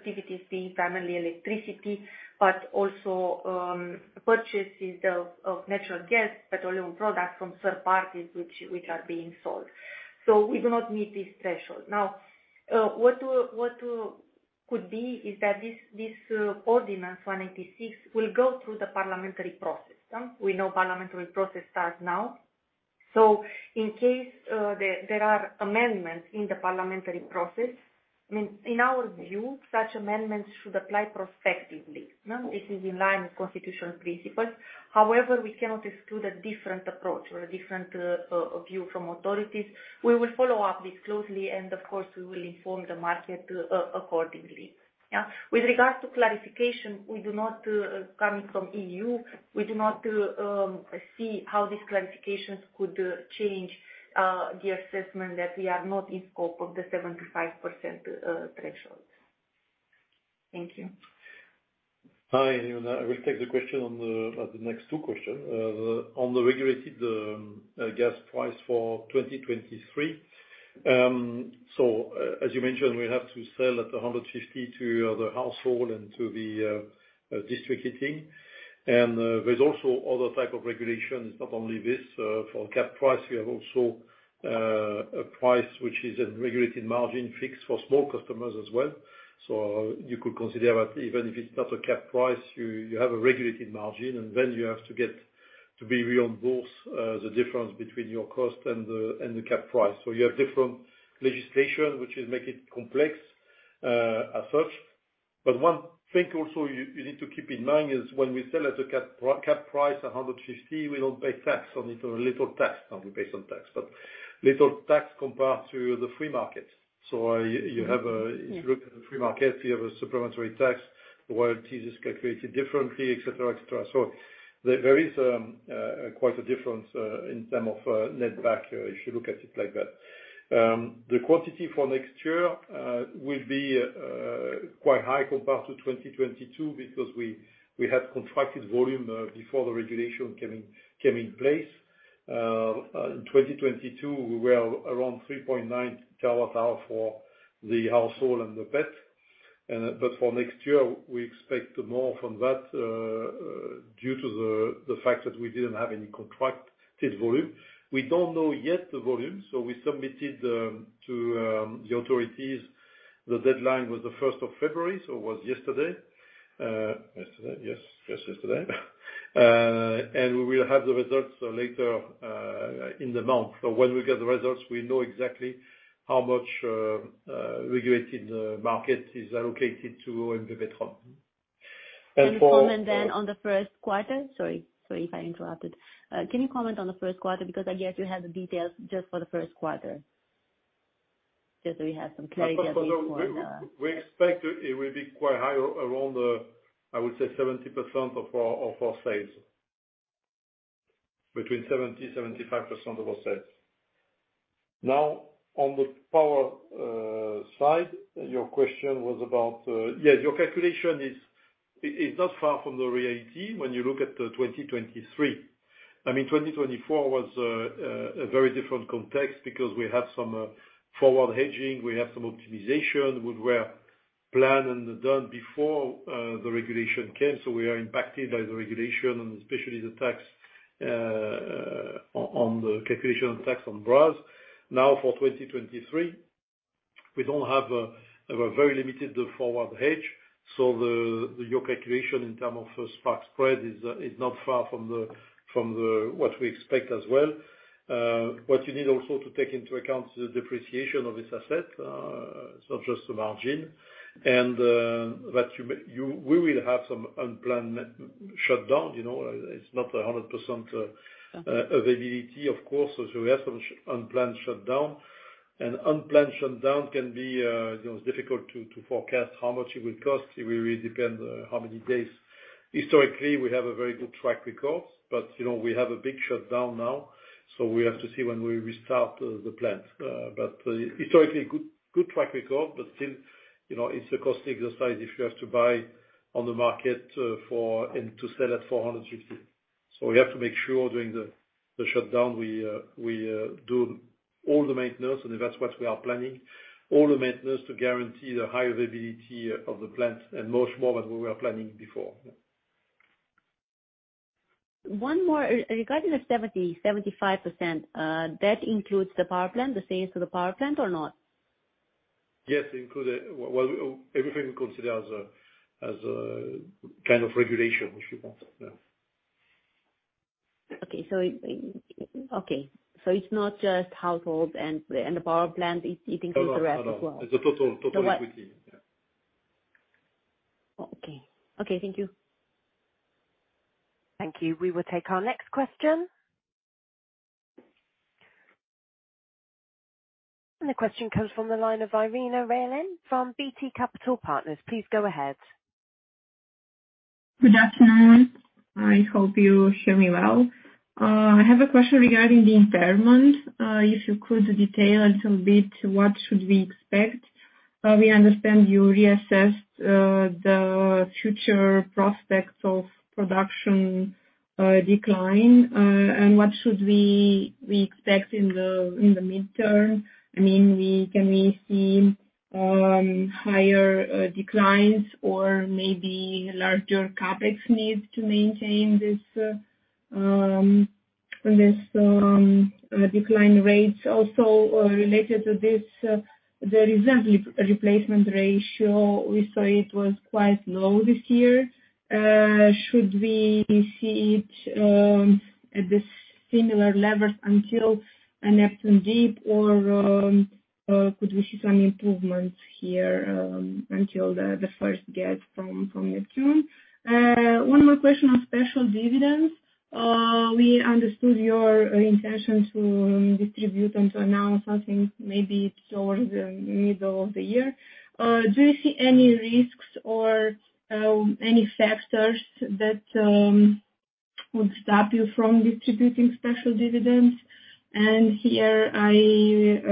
activities being primarily electricity, but lso purchases of natural gas, petroleum products from third parties which are being sold. We do not meet this threshold. What we could be is that this ordinance 186 will go through the parliamentary process. We know parliamentary process starts now. In case there are amendments in the parliamentary process, I mean, in our view, such amendments should apply prospectively. This is in line with constitutional principles. However, we cannot exclude a different approach or a different view from authorities. We will follow up this closely and of course we will inform the market accordingly. Yeah. With regards to clarification, we do not, coming from E.U., we do not see how these clarifications could change the assessment that we are not in scope of the 75% threshold. Thank you. Hi, Iuliana. I will take the question on the next two question. On the regulated gas price for 2023. As you mentioned, we have to sell at 150 to the household and to the district heating. There's also other type of regulations, not only this. For capped price, we have also a price which is a regulated margin fixed for small customers as well. You could consider that even if it's not a capped price, you have a regulated margin, and then you have to get to be reimbursed the difference between your cost and the capped price. You have different legislation, which is make it complex as such. One thing also you need to keep in mind is when we sell at a capped price of RON 150, we don't pay tax on it or little tax. No, we pay some tax. Little tax compared to the free market. You have a. Mm-hmm. If you look at the free market, you have a supplementary tax. The royalty is calculated differently, et cetera, et cetera. There is quite a difference in term of net back, if you look at it like that. The quantity for next year will be quite high compared to 2022 because we had contracted volume before the regulation came in place. In 2022, we were around 3.9 TWh for the household and the CET. For next year, we expect more from that due to the fact that we didn't have any contracted volume. We don't know yet the volume, so we submitted to the authorities. The deadline was the 1st of February, so it was yesterday. Yesterday. Yes, yes, yesterday. We will have the results later in the month. When we get the results, we know exactly how much regulated market is allocated to OMV Petrom. Can you comment on the first quarter? Sorry if I interrupted. Can you comment on the first quarter? I guess you have the details just for the first quarter. Just so we have some clarity on. We expect it will be quite high, around 70% of our sales. Between 70%-75% of our sales. On the power side, your question was about, your calculation is not far from the reality when you look at 2023. I mean, 2024 was a very different context because we had some forward hedging. We had some optimization, which were planned and done before the regulation came. We are impacted by the regulation and especially the tax on the calculation of tax on Brazi. For 2023, We have a very limited forward hedge, your calculation in terms of spark spread is not far from the what we expect as well. What you need also to take into account is the depreciation of this asset, so just the margin. That we will have some unplanned shutdown, you know, it's not 100% availability of course. We have some unplanned shutdown. An unplanned shutdown can be, you know, it's difficult to forecast how much it will cost. It will really depend how many days. Historically, we have a very good track record, but, you know, we have a big shutdown now. We have to see when we restart the plant. But historically good track record, but still, you know, it's a costly exercise if you have to buy on the market and to sell at 450. We have to make sure during the shutdown we do all the maintenance, and that's what we are planning, all the maintenance to guarantee the high availability of the plant and much more than we were planning before. One more. Regarding the 70%-75%, that includes the power plant, the sales to the power plant or not? Yes, it includes it. Well, everything we consider as a kind of regulation, if you want. Yeah. Okay. It's not just household and the power plant, it includes the rest as well. No, no. It's the total equity. Yeah. Okay. Okay, thank you. Thank you. We will take our next question. The question comes from the line of Irina Railean from BT Capital Partners. Please go ahead. Good afternoon. I hope you hear me well. I have a question regarding the impairment. If you could detail a little bit, what should we expect? We understand you reassessed the future prospects of production decline. What should we expect in the midterm? I mean, can we see higher declines or maybe larger CapEx needs to maintain this decline rates? Related to this, the reserve replacement ratio, we saw it was quite low this year. Should we see it at the similar levels until Neptun Deep, or could we see some improvements here until the first gas from Neptun Deep? One more question on special dividends. We understood your intention to distribute and to announce something maybe towards the middle of the year. Do you see any risks or any factors that would stop you from distributing special dividends? Here I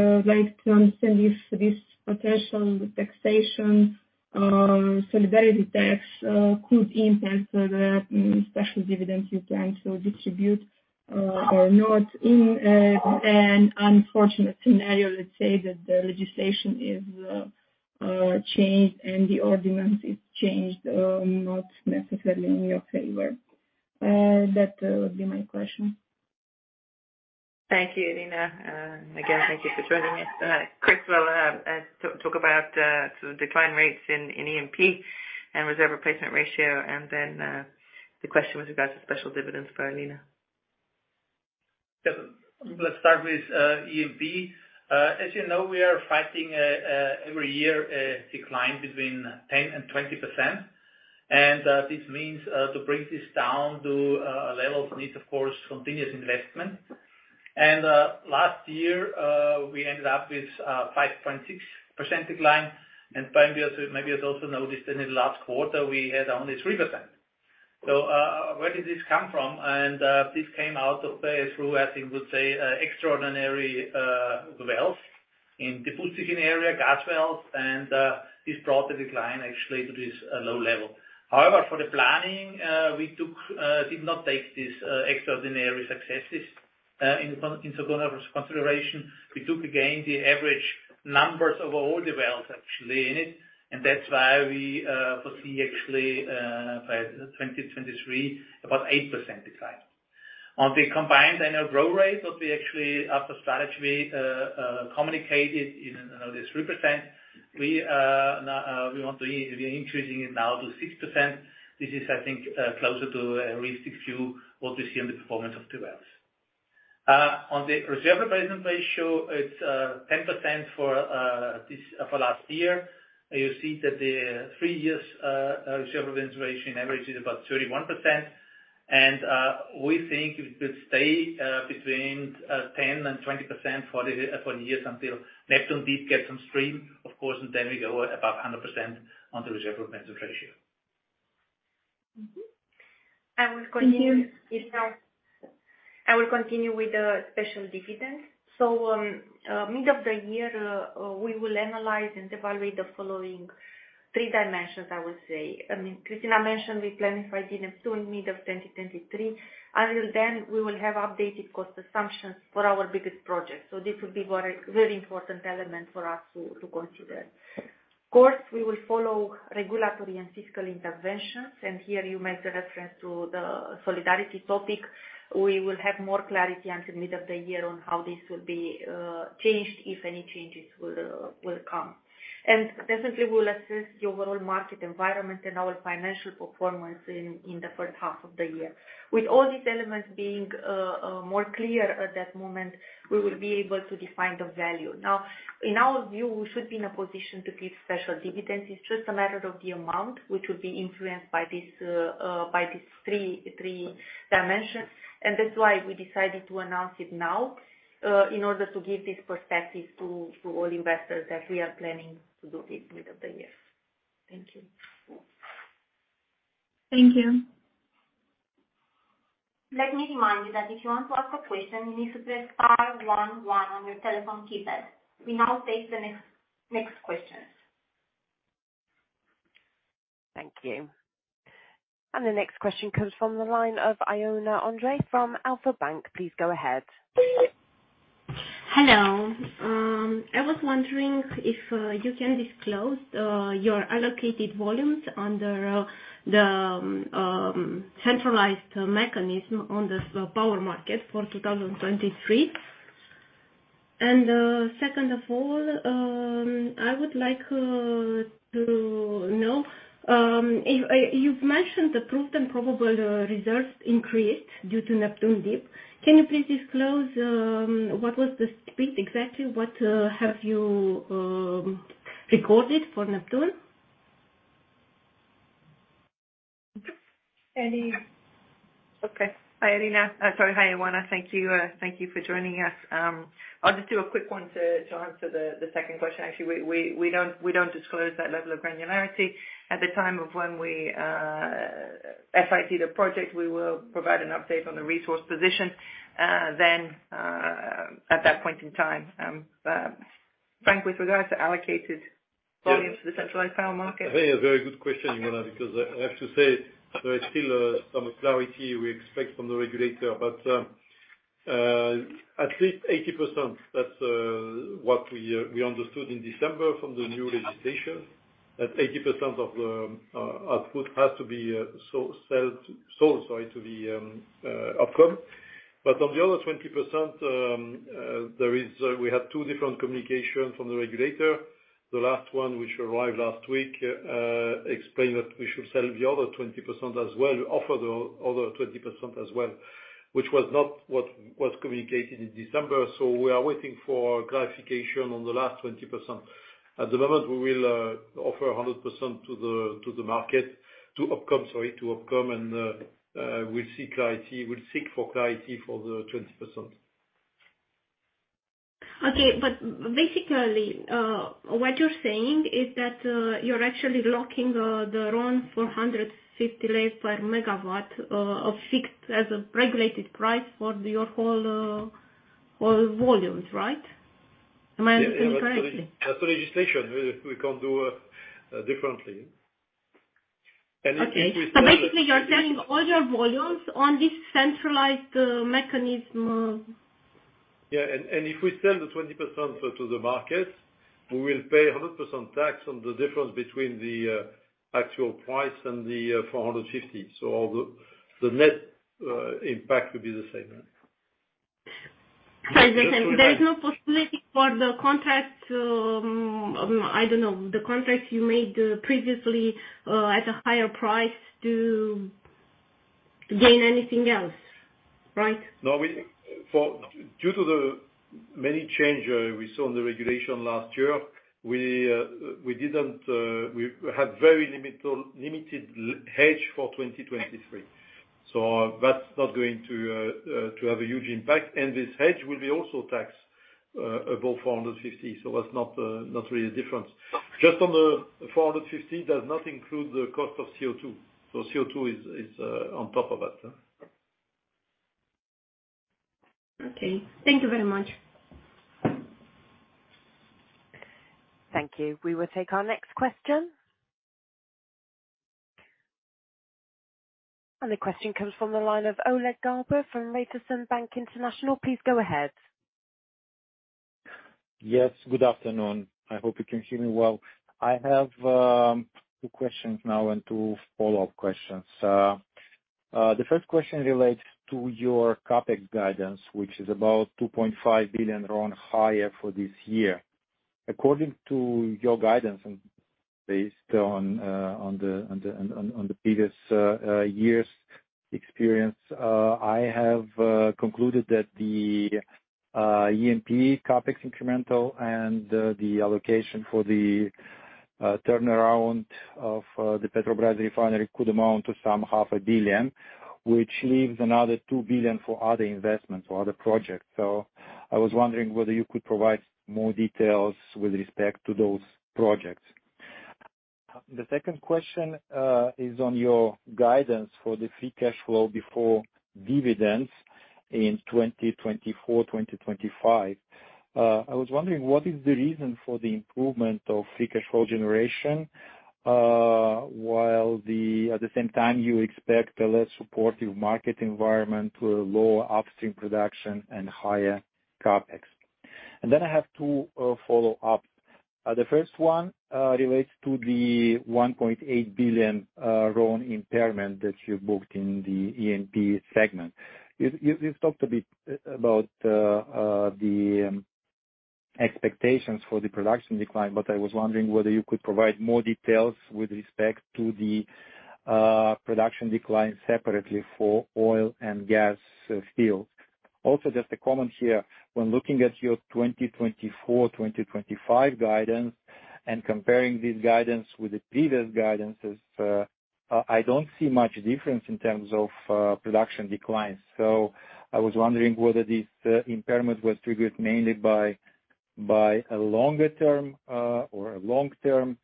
would like to understand if this potential taxation, solidarity tax, could impact the special dividends you plan to distribute or not. In an unfortunate scenario, let's say that the legislation is changed and the ordinance is changed, not necessarily in your favor. That would be my question. Thank you, Irina. Again, thank you for joining us. Chris will talk about, sort of decline rates in EMP and reserve replacement ratio. Then, the question with regards to special dividends for Alina. Yeah. Let's start with EMP. As you know, we are fighting every year a decline between 10% and 20%. This means to bring this down to a level needs, of course, continuous investment. Last year, we ended up with 5.6% decline. We also maybe you also noticed that in the last quarter we had only 3%. Where did this come from? This came out of the through, I think, we'll say, extraordinary wells in the area, gas wells, and this brought the decline actually to this low level. However, for the planning, we took did not take this extraordinary successes into consideration. We took again the average numbers of all the wells actually in it, and that's why we foresee actually by 2023, about 8% decline. On the combined annual growth rate what we actually as a strategy communicated in this 3%, we want to be increasing it now to 6%. This is, I think, closer to a realistic view what we see in the performance of the wells. On the reserve replacement ratio, it's 10% for last year. You see that the three years reserve replacement ratio average is about 31%. We think it will stay between 10% and 20% for the for years until Neptun Deep gets on stream. Of course, we go above 100% on the reserve replacement ratio. Mm-hmm. I will continue. Thank you. I will continue with the special dividends. Mid of the year, we will analyze and evaluate the following three dimensions, I would say. I mean, Christina mentioned we plan for FID2 in mid of 2023. Until then, we will have updated cost assumptions for our biggest projects. This will be very, very important element for us to consider. Of course, we will follow regulatory and fiscal interventions, and here you made a reference to the solidarity topic. We will have more clarity until mid of the year on how this will be changed, if any changes will come. Definitely, we'll assess the overall market environment and our financial performance in the first half of the year. With all these elements being more clear at that moment, we will be able to define the value. Now, in our view, we should be in a position to give special dividends. It's just a matter of the amount, which will be influenced by this by these three dimensions. That's why we decided to announce it now in order to give this perspective to all investors, that we are planning to do it mid of the year. Thank you. Thank you. Let me remind you that if you want to ask a question, you need to press star one one on your telephone keypad. We now take the next questions. Thank you. The next question comes from the line of Ioana Andrei from Alpha Bank. Please go ahead. Hello. I was wondering if you can disclose your allocated volumes under the centralized mechanism on the power market for 2023. Second of all, I would like to know if you've mentioned the proved and probable reserves increased due to Neptun Deep. Can you please disclose what was the split exactly? What have you recorded for Neptun? Okay. Hi, Alina. Sorry. Hi, Ioana. Thank you, thank you for joining us. I'll just do a quick one to answer the second question. Actually, we don't disclose that level of granularity. At the time of when we FID the project, we will provide an update on the resource position then at that point in time. Franck, with regards to allocated volumes for the centralized power market. I think a very good question, Ioana, because I have to say there's still some clarity we expect from the regulator, but at least 80%, that's what we understood in December from the new legislation. That 80% of the output has to be sold, sorry, to the outcome. On the other 20%, there is, we had two different communications from the regulator. The last one, which arrived last week, explained that we should sell the other 20% as well, offer the other 20% as well, which was not what was communicated in December. We are waiting for clarification on the last 20%. At the moment, we will offer 100% to the market to Auchan, and we'll seek clarity, we'll seek for clarity for the 20%. Okay. Basically, what you're saying is that you're actually locking the around RON 450 per MW of fixed as a regulated price for your whole volumes, right? Am I understanding correctly? As a legislation, we can't do differently. Okay. Basically you're selling all your volumes on this centralized mechanism. Yeah. If we sell the 20% to the market, we will pay a 100% tax on the difference between the actual price and the 450. The net impact would be the same. Sorry, there's no possibility for the contract to, I don't know, the contract you made previously, at a higher price to gain anything else, right? No, we. Due to the many changes we saw in the regulation last year, we didn't, we had very limited hedge for 2023, that's not going to have a huge impact. This hedge will be also taxed above 450. That's not really a difference. Just on the 450 does not include the cost of CO2. CO2 is on top of that. Okay. Thank you very much. Thank you. We will take our next question. The question comes from the line of Oleg Galbur from Raiffeisen Bank International. Please go ahead. Yes, good afternoon. I hope you can hear me well. I have two questions now and two follow-up questions. The first question relates to your CapEx guidance, which is about RON 2.5 billion around higher for this year. According to your guidance, and based on the previous year's experience, I have concluded that the EMP CapEx incremental and the allocation for the turnaround of the Petrobrazi refinery could amount to some RON 500 million, which leaves another RON 2 billion for other investments or other projects. I was wondering whether you could provide more details with respect to those projects. The second question is on your guidance for the free cash flow before dividends in 2024, 2025. I was wondering what is the reason for the improvement of free cash flow generation, while at the same time, you expect a less supportive market environment with lower upstream production and higher CapEx. I have two follow-ups. The first one relates to the $1.8 billion loan impairment that you booked in the E&P segment. You've talked a bit about the expectations for the production decline, I was wondering whether you could provide more details with respect to the production decline separately for oil and gas fields. Just a comment here. When looking at your 2024, 2025 guidance and comparing this guidance with the previous guidances, I don't see much difference in terms of production declines. I was wondering whether this impairment was triggered mainly by a longer term, or a long-term,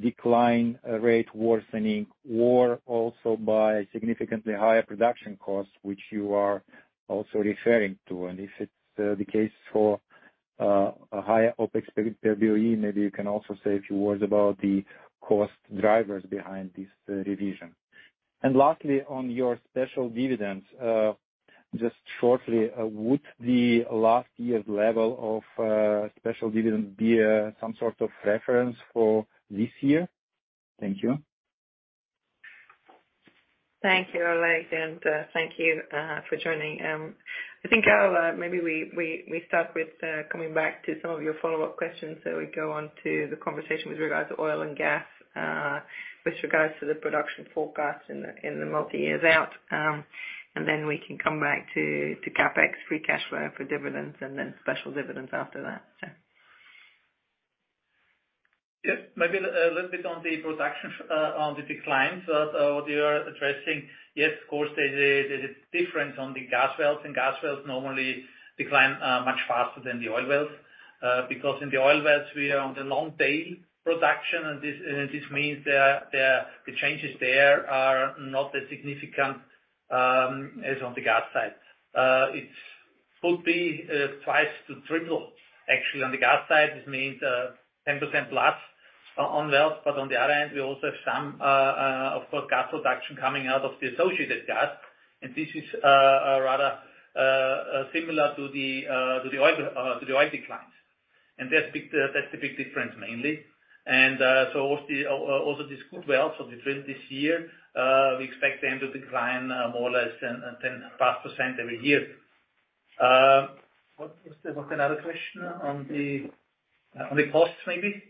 decline rate worsening or also by significantly higher production costs, which you are also referring to. If it's the case for a higher OpEx per Boe, maybe you can also say a few words about the cost drivers behind this revision. Lastly, on your special dividends, just shortly, would the last year's level of special dividends be some sort of reference for this year? Thank you. Thank you, Oleg, and thank you for joining. I think maybe we start with coming back to some of your follow-up questions. We go on to the conversation with regards to oil and gas, with regards to the production forecast in the multi-years out, and then we can come back to CapEx, free cash flow for dividends and special dividends after that. Yeah. Maybe a little bit on the production on the decline. What you are addressing, yes, of course, there's a difference on the gas wells, and gas wells normally decline much faster than the oil wells. Because in the oil wells we are on the long tail production, and this means the changes there are not as significant as on the gas side. It could be twice to triple actually on the gas side. This means 10%+ on wells. On the other hand, we also have some, of course, gas production coming out of the associated gas, and this is rather similar to the oil declines. That's big, that's the big difference mainly. Also these good wells of the trend this year, we expect them to decline more or less than 10+% every year. Was there another question on the costs maybe?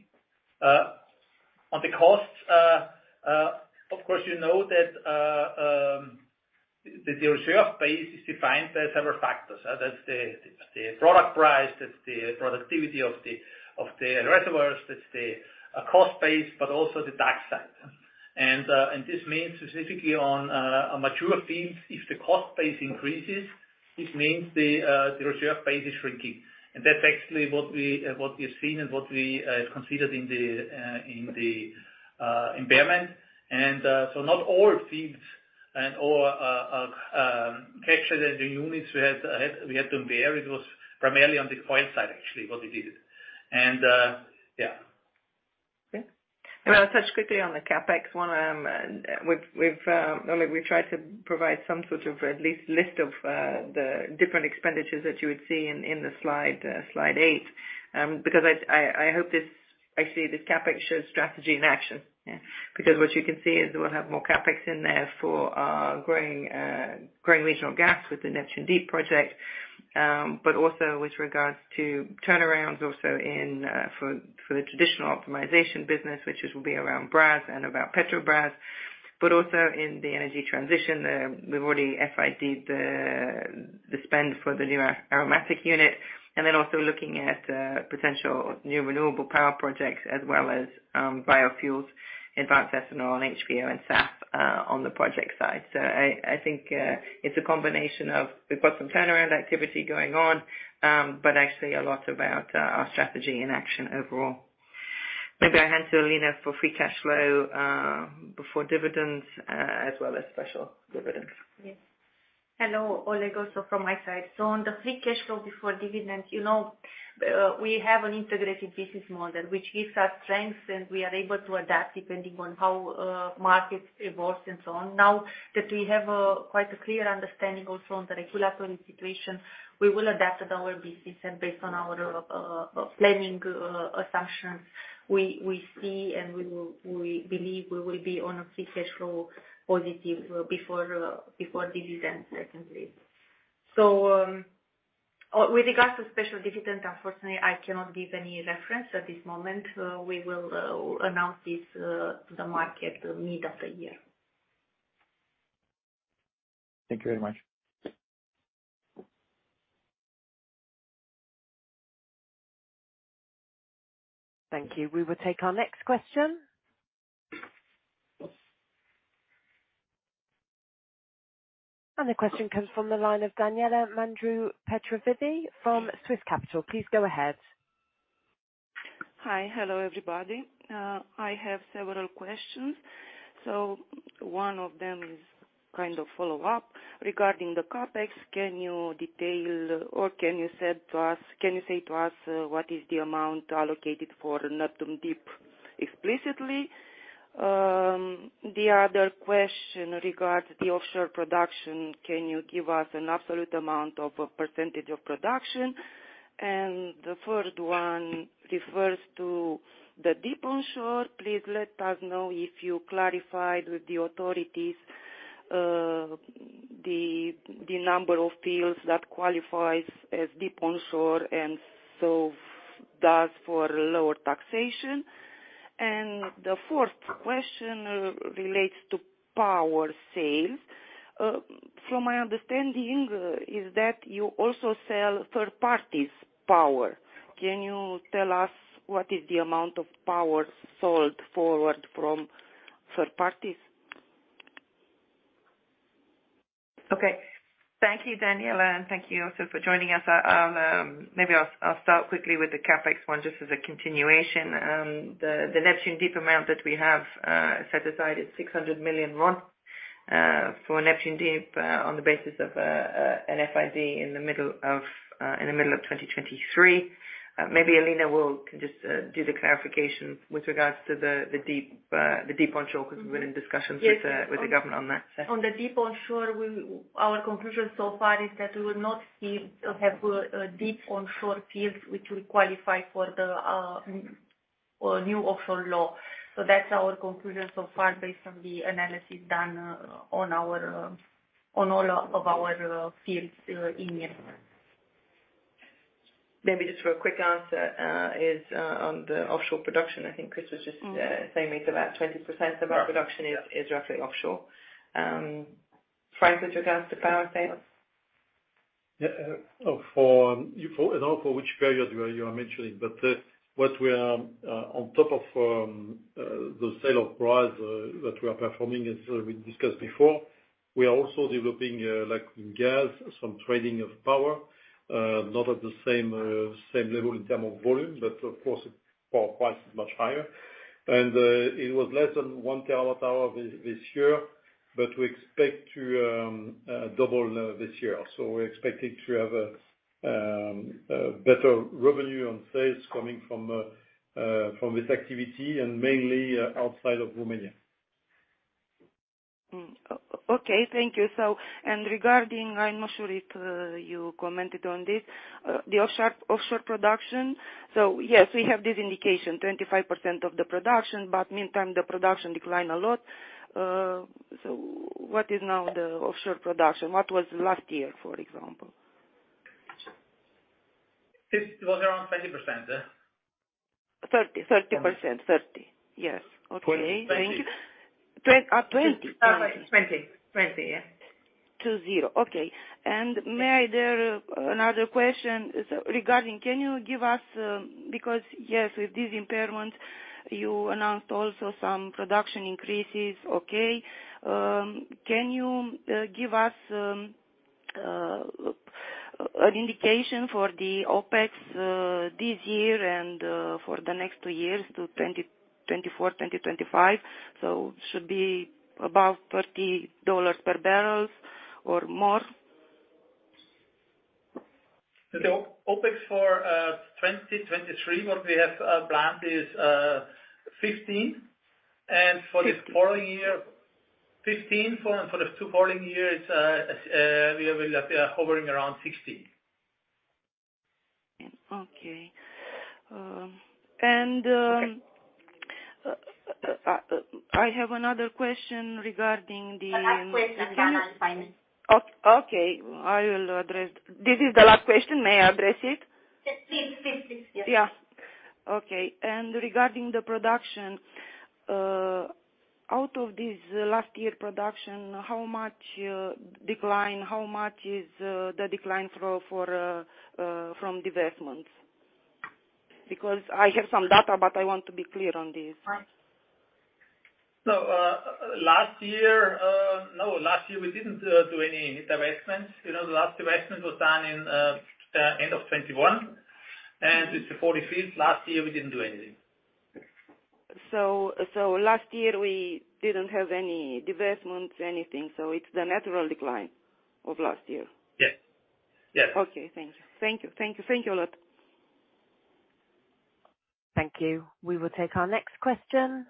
On the costs, of course, you know that the reserve base is defined by several factors. That's the product price, that's the productivity of the reservoirs, that's the cost base, but also the tax side. This means specifically on a mature field, if the cost base increases, this means the reserve base is shrinking. That's actually what we've seen and what we have considered in the impairment. Not all fields and all cash generating units we had to bear it, was primarily on the oil side, actually, what we did. Yeah. Okay. I'll touch quickly on the CapEx one. Oleg, we've tried to provide some sort of at least list of the different expenditures that you would see in the slide 8. Because I hope this actually, this CapEx shows strategy in action. What you can see is we'll have more CapEx in there for growing regional gas with the Neptun Deep project, but also with regards to turnarounds also in for the traditional optimization business, which will be around Brazi and about Petrobrazi. Also in the energy transition, we've already FID-ed the spend for the new aromatics unit, and then also looking at potential new renewable power projects as well as biofuels, advanced ethanol and HVO and SAF on the project side. I think, it's a combination of we've got some turnaround activity going on, but actually a lot about our strategy in action overall. Maybe I hand to Alina for free cash flow before dividends, as well as special dividends. Yes. Hello, Oleg, also from my side. On the free cash flow before dividends, you know, we have an integrated business model which gives us strength, and we are able to adapt depending on how markets evolve and so on. Now that we have quite a clear understanding also on the regulatory situation, we will adapt our business. Based on our planning assumption, we see and we believe we will be on a free cash flow positive before dividends secondly. With regards to special dividend, unfortunately, I cannot give any reference at this moment. We will announce this to the market mid of the year. Thank you very much. Thank you. We will take our next question. The question comes from the line of Daniela Mândru from Swiss Capital. Please go ahead. Hi. Hello, everybody. I have several questions. One of them is kind of follow-up regarding the CapEx. Can you detail or can you say to us what is the amount allocated for Neptun Deep explicitly? The other question regards the offshore production. Can you give us an absolute amount of a percentage of production? The third one refers to the deep onshore. Please let us know if you clarified with the authorities, the number of fields that qualifies as deep onshore and so does for lower taxation. The fourth question relates to power sales. From my understanding is that you also sell third parties power. Can you tell us what is the amount of power sold forward from third parties? Okay. Thank you, Daniela, and thank you also for joining us. I'll start quickly with the CapEx one, just as a continuation. The Neptun Deep amount that we have set aside is RON 600 million for Neptun Deep on the basis of an FID in the middle of 2023. Maybe Alina can just do the clarification with regards to the deep onshore 'cause we're in discussions- Yes. with the government on that. On the deep onshore we, our conclusion so far is that we will not see or have a deep onshore field which will qualify for the new offshore law. That's our conclusion so far, based on the analysis done, on our, on all of our fields, in here. Maybe just for a quick answer, is on the offshore production. I think Chris was just. Mm-hmm. saying it's about 20% of our production. Yeah. is roughly offshore. Franck, with regards to power sales? Yeah, for, I don't know for which period you are mentioning, what we are on top of the sale of products that we are performing, as we discussed before, we are also developing like in gas, some trading of power. Not at the same level in term of volume, of course for price is much higher. It was less than 1 TWh this year, we expect to double this year. We're expecting to have a better revenue on sales coming from this activity and mainly outside of Romania. Okay. Thank you. Regarding, I'm not sure if you commented on this, the offshore production. Yes, we have this indication, 25% of the production, but meantime the production declined a lot. What is now the offshore production? What was last year, for example? Fifth was around 30%. 30%. 30. Yes. Okay. Twenty. Thank you. 2020. 20, yeah. Two zero. Okay. May I dare another question. Regarding can you give us, because yes, with this impairment you announced also some production increases, okay. Can you give us an indication for the OpEx this year and, for the next two years to 2024, 2025? Should be above $30 per barrels or more? The OpEx for, 2023, what we have, planned is, RON 15. Fifteen. For the following year. 15 for the two following years, we are hovering around 16. Okay. I have another question regarding The last question then I'm on finance. This is the last question. May I address it? Yes, please. Please. Yes. Yeah. Okay. Regarding the production, out of this last year production, how much decline, how much is the decline through for from divestments? Because I have some data, but I want to be clear on this. Last year, no, last year we didn't do any divestments. You know, the last divestment was done in end of 2021. It's the 45th. Last year we didn't do anything. Last year we didn't have any divestments, anything. It's the natural decline of last year? Yes. Yes. Okay. Thank you. Thank you. Thank you. Thank you a lot. Thank you. We will take our next question.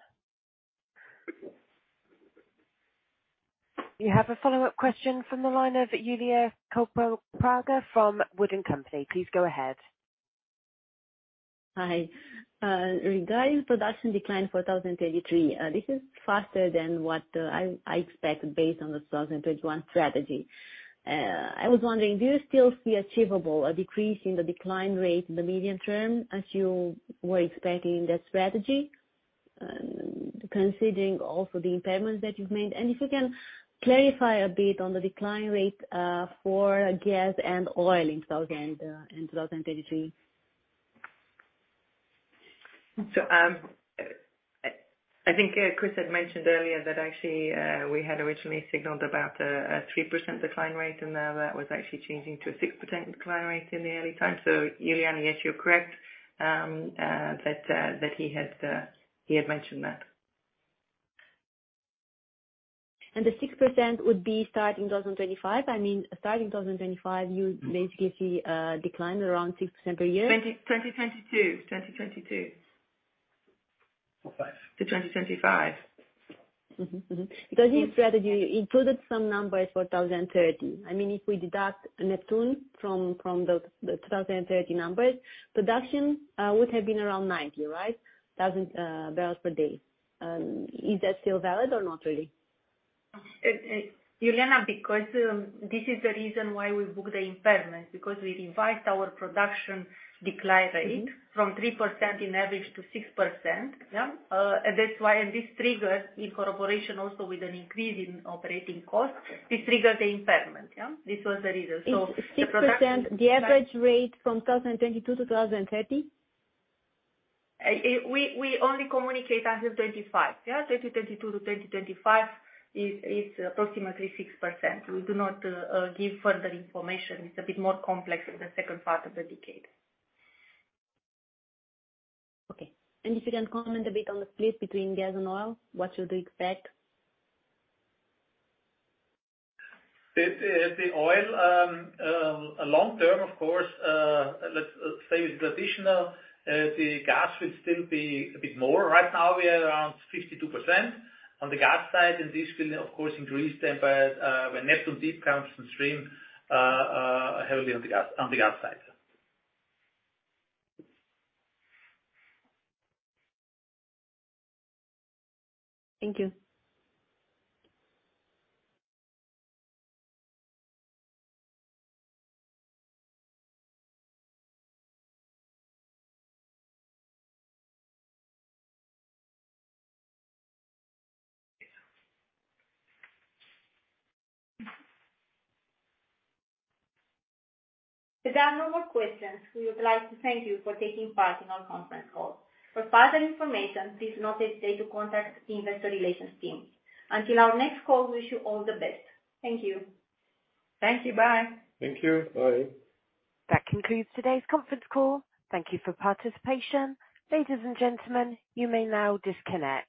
You have a follow-up question from the line of Iuliana Ciopraga from Wood & Company. Please go ahead. Hi. Regarding production decline for 2023, this is faster than what I expected based on the 2021 strategy. I was wondering, do you still see achievable a decrease in the decline rate in the medium term, as you were expecting that strategy? Considering also the impairments that you've made. If you can clarify a bit on the decline rate for gas and oil in 2023. I think Chris had mentioned earlier that actually, we had originally signaled about a 3% decline rate, and now that was actually changing to a 6% decline rate in the early time. Iuliana, yes, you're correct that he had mentioned that. The 6% would be starting 2025? I mean, starting 2025, you basically decline around 6% per year. 2022. 2022. Five. To 2025. Mm-hmm. Mm-hmm. In strategy, you included some numbers for 2030. I mean, if we deduct Neptune from the 2030 numbers, production would have been around 90, right? 1,000 bbl per day. Is that still valid or not really? Iuliana, because this is the reason why we book the impairment, because we revised our production decline rate... Mm-hmm. -from 3% in average to 6%. Yeah. This triggers in cooperation also with an increase in operating costs. This triggers the impairment, yeah. This was the reason. The production- It's 6%, the average rate from 2022 to 2030? We only communicate until 25, yeah. 2022 to 2025 is approximately 6%. We do not give further information. It's a bit more complex in the second part of the decade. Okay. If you can comment a bit on the split between gas and oil, what should we expect? The oil, long term, of course, let's say is traditional. The gas will still be a bit more. Right now we are around 52% on the gas side and this will of course increase the impact, when Neptun Deep comes on stream, heavily on the gas, on the gas side. Thank you. If there are no more questions, we would like to thank you for taking part in our conference call. For further information, please do not hesitate to contact the investor relations team. Until our next call, wish you all the best. Thank you. Thank you. Bye. Thank you. Bye. That concludes today's conference call. Thank you for participation. Ladies and gentlemen, you may now disconnect.